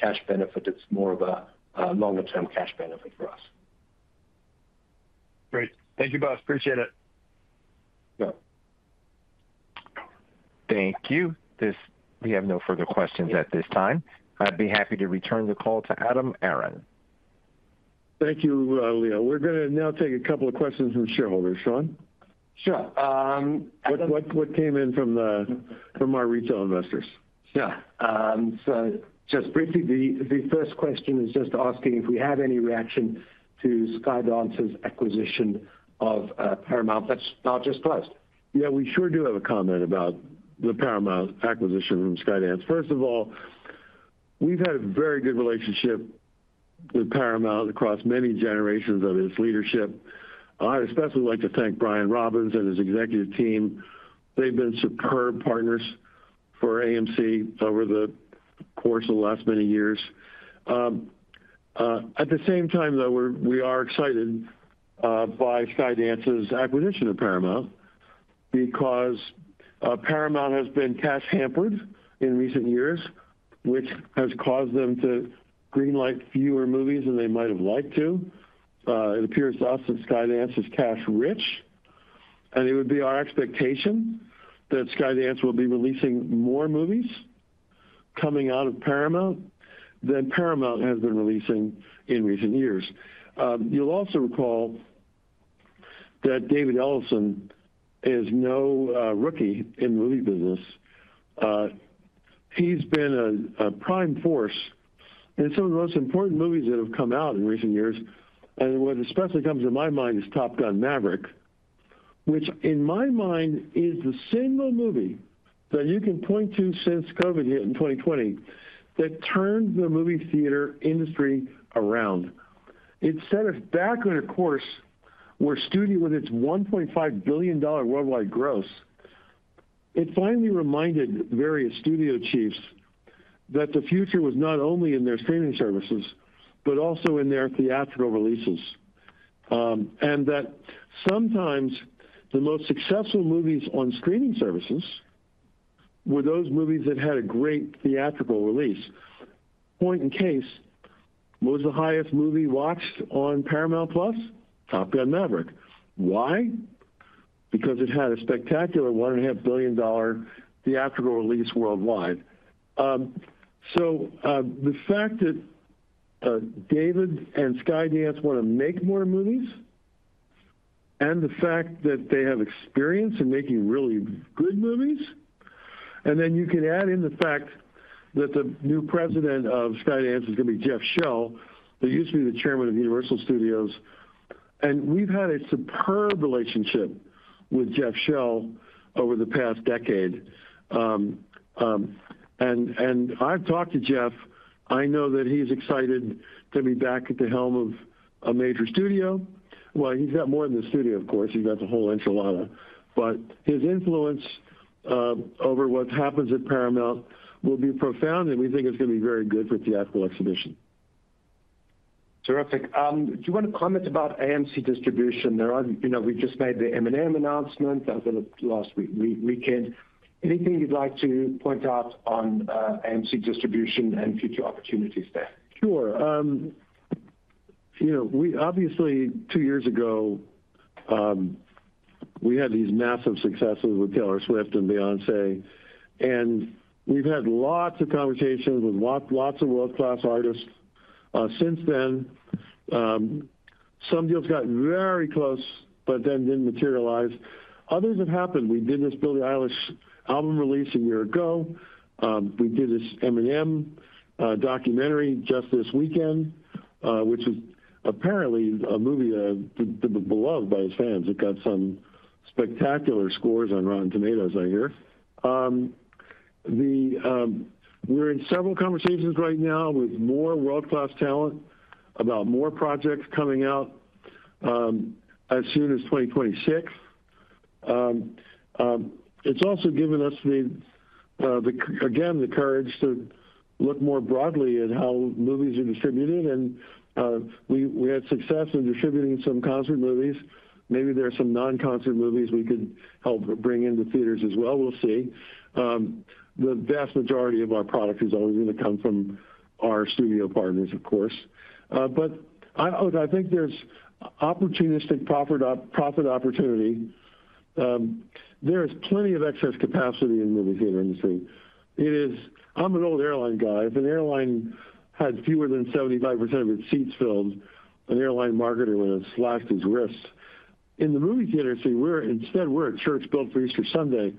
cash benefit. It's more of a longer-term cash benefit for us. Great. Thank you both. Appreciate it. Thank you. We have no further questions at this time. I'd be happy to return the call to Adam Aron. Thank you, Leo. We're going to now take a couple of questions from shareholders. Sean? Sure. What came in from our retail investors? Sure. Just briefly, the first question is just asking if we have any reaction to Skydance's acquisition of Paramount that's now just closed. Yeah, we sure do have a comment about the Paramount acquisition from Skydance. First of all, we've had a very good relationship with Paramount across many generations of its leadership. I'd especially like to thank Brian Robbins and his executive team. They've been superb partners for AMC over the course of the last many years. At the same time, we are excited by Skydance's acquisition of Paramount because Paramount has been cash-hampered in recent years, which has caused them to greenlight fewer movies than they might have liked to. It appears to us that Skydance is cash-rich, and it would be our expectation that Skydance will be releasing more movies coming out of Paramount than Paramount has been releasing in recent years. You'll also recall that David Ellison is no rookie in the movie business. He's been a prime force in some of the most important movies that have come out in recent years. What especially comes to my mind is Top Gun: Maverick, which in my mind is the single movie that you can point to since COVID here in 2020 that. The movie theater industry around. It set us back on a course where a studio, with its $1.5 billion worldwide gross, finally reminded various studio chiefs that the future was not only in their streaming services, but also in their theatrical releases. Sometimes the most successful movies on streaming services were those movies that had a great theatrical release. Point in case, what was the highest movie watched on Paramount Plus? Top Gun: Maverick. Why? Because it had a spectacular $1.5 billion theatrical release worldwide. The fact that David and Skydance want to make more movies, and the fact that they have experience in making really good movies, and then you can add in the fact that the new President of Skydance is going to be Jeff Shell, who used to be the Chairman of Universal Studios. We've had a superb relationship with Jeff Shell over the past decade. I've talked to Jeff. I know that he's excited to be back at the helm of a major studio. He has more than the studio, of course. He has the whole enchilada. His influence over what happens at Paramount will be profound, and we think it's going to be very good for the theatrical exhibition. Terrific. Do you want to comment about AMC Distribution? We just made the M&M announcement over the last weekend. Anything you'd like to point out on AMC Distribution and future opportunities there? Sure. You know, we obviously, two years ago, we had these massive successes with Taylor Swift and Beyoncé, and we've had lots of conversations with lots of world-class artists since then. Some deals got very close, but then didn't materialize. Others have happened. We did this Billie Eilish album release a year ago. We did this Eminem documentary just this weekend, which is apparently a movie that's been beloved by his fans. It got some spectacular scores on Rotten Tomatoes, I hear. We're in several conversations right now with more world-class talent about more projects coming out as soon as 2026. It's also given us the, again, the courage to look more broadly at how movies are distributed. We had success in distributing some concert movies. Maybe there are some non-concert movies we could help bring into theaters as well. We'll see. The vast majority of our product is always going to come from our studio partners, of course. I think there's opportunistic profit opportunity. There's plenty of excess capacity in the movie theater industry. I'm an old airline guy. If an airline had fewer than 75% of its seats filled, an airline marketer would have slashed his wrists. In the movie theater, see, we're instead, we're at shirts built for Easter Sunday.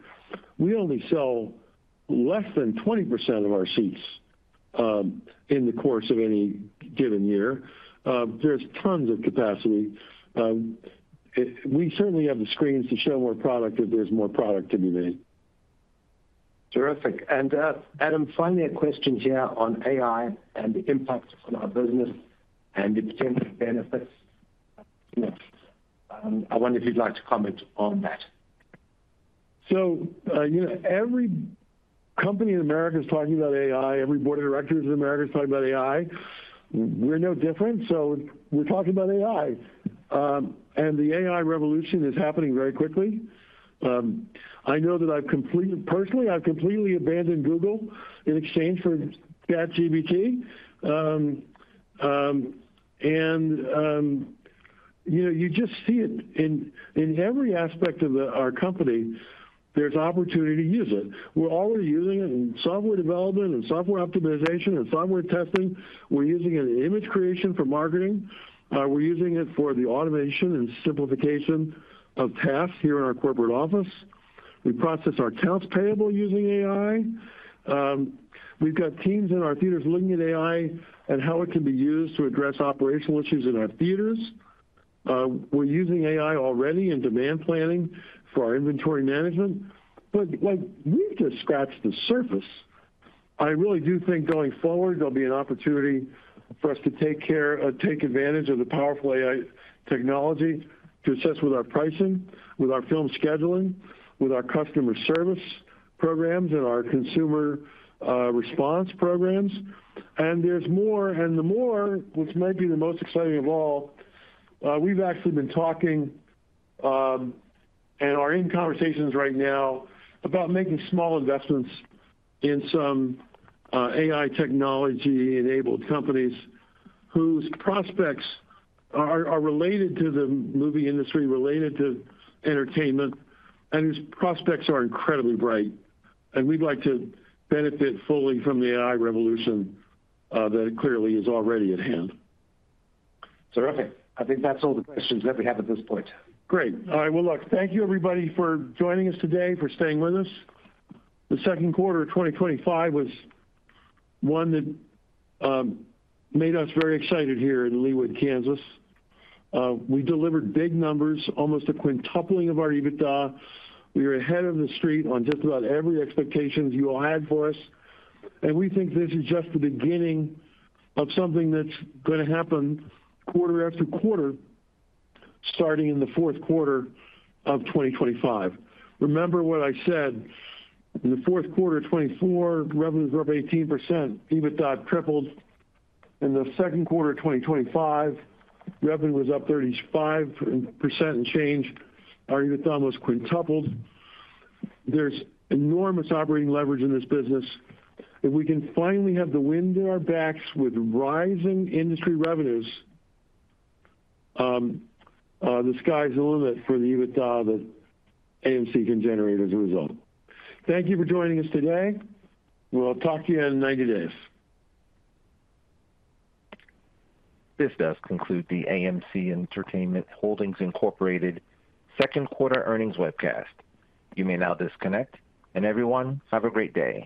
We only sell less than 20% of our seats in the course of any given year. There's tons of capacity. We certainly have the screens to show more product if there's more product to be made. Terrific. Adam, finally, a question here on AI and the impact on our business and the potential benefits. I wonder if you'd like to comment on that. Every company in America is talking about AI. Every board of directors in America is talking about AI. We're no different, we're talking about AI. The AI revolution is happening very quickly. I know that I've completely, personally, I've completely abandoned Google in exchange for ChatGPT. You just see it in every aspect of our company. There's opportunity to use it. We're already using it in software development, software optimization, and software testing. We're using it in image creation for marketing. We're using it for the automation and simplification of tasks here in our corporate office. We process our accounts payable using AI. We've got teams in our theaters looking at AI and how it can be used to address operational issues in our theaters. We're using AI already in demand planning for our inventory management. We've just scratched the surface. I really do think going forward, there'll be an opportunity for us to take advantage of the powerful AI technology to assist with our pricing, our film scheduling, our customer service programs, and our consumer response programs. There's more. The more, which might be the most exciting of all, we've actually been talking and are in conversations right now about making small investments in some AI technology-enabled companies whose prospects are related to the movie industry, related to entertainment, and whose prospects are incredibly bright. We'd like to benefit fully from the AI revolution that clearly is already at hand. Terrific. I think that's all the questions that we have at this point. Great. All right. Thank you, everybody, for joining us today, for staying with us. The second quarter of 2025 was one that made us very excited here in Leawood, Kansas. We delivered big numbers, almost a quintupling of our EBITDA. We were ahead of the street on just about every expectation you all had for us. We think this is just the beginning of something that's going to happen quarter after quarter, starting in the fourth quarter of 2025. Remember what I said? In the fourth quarter of 2024, revenue grew up 18%. EBITDA tripled. In the second quarter of 2025, revenue was up 35% and change. Our EBITDA almost quintupled. There's enormous operating leverage in this business. If we can finally have the wind at our backs with rising industry revenues, the sky's the limit for the EBITDA that AMC can generate as a result. Thank you for joining us today. We'll talk to you in 90 days. This does conclude the AMC Entertainment Holdings Inc. second quarter earnings webcast. You may now disconnect, and everyone, have a great day.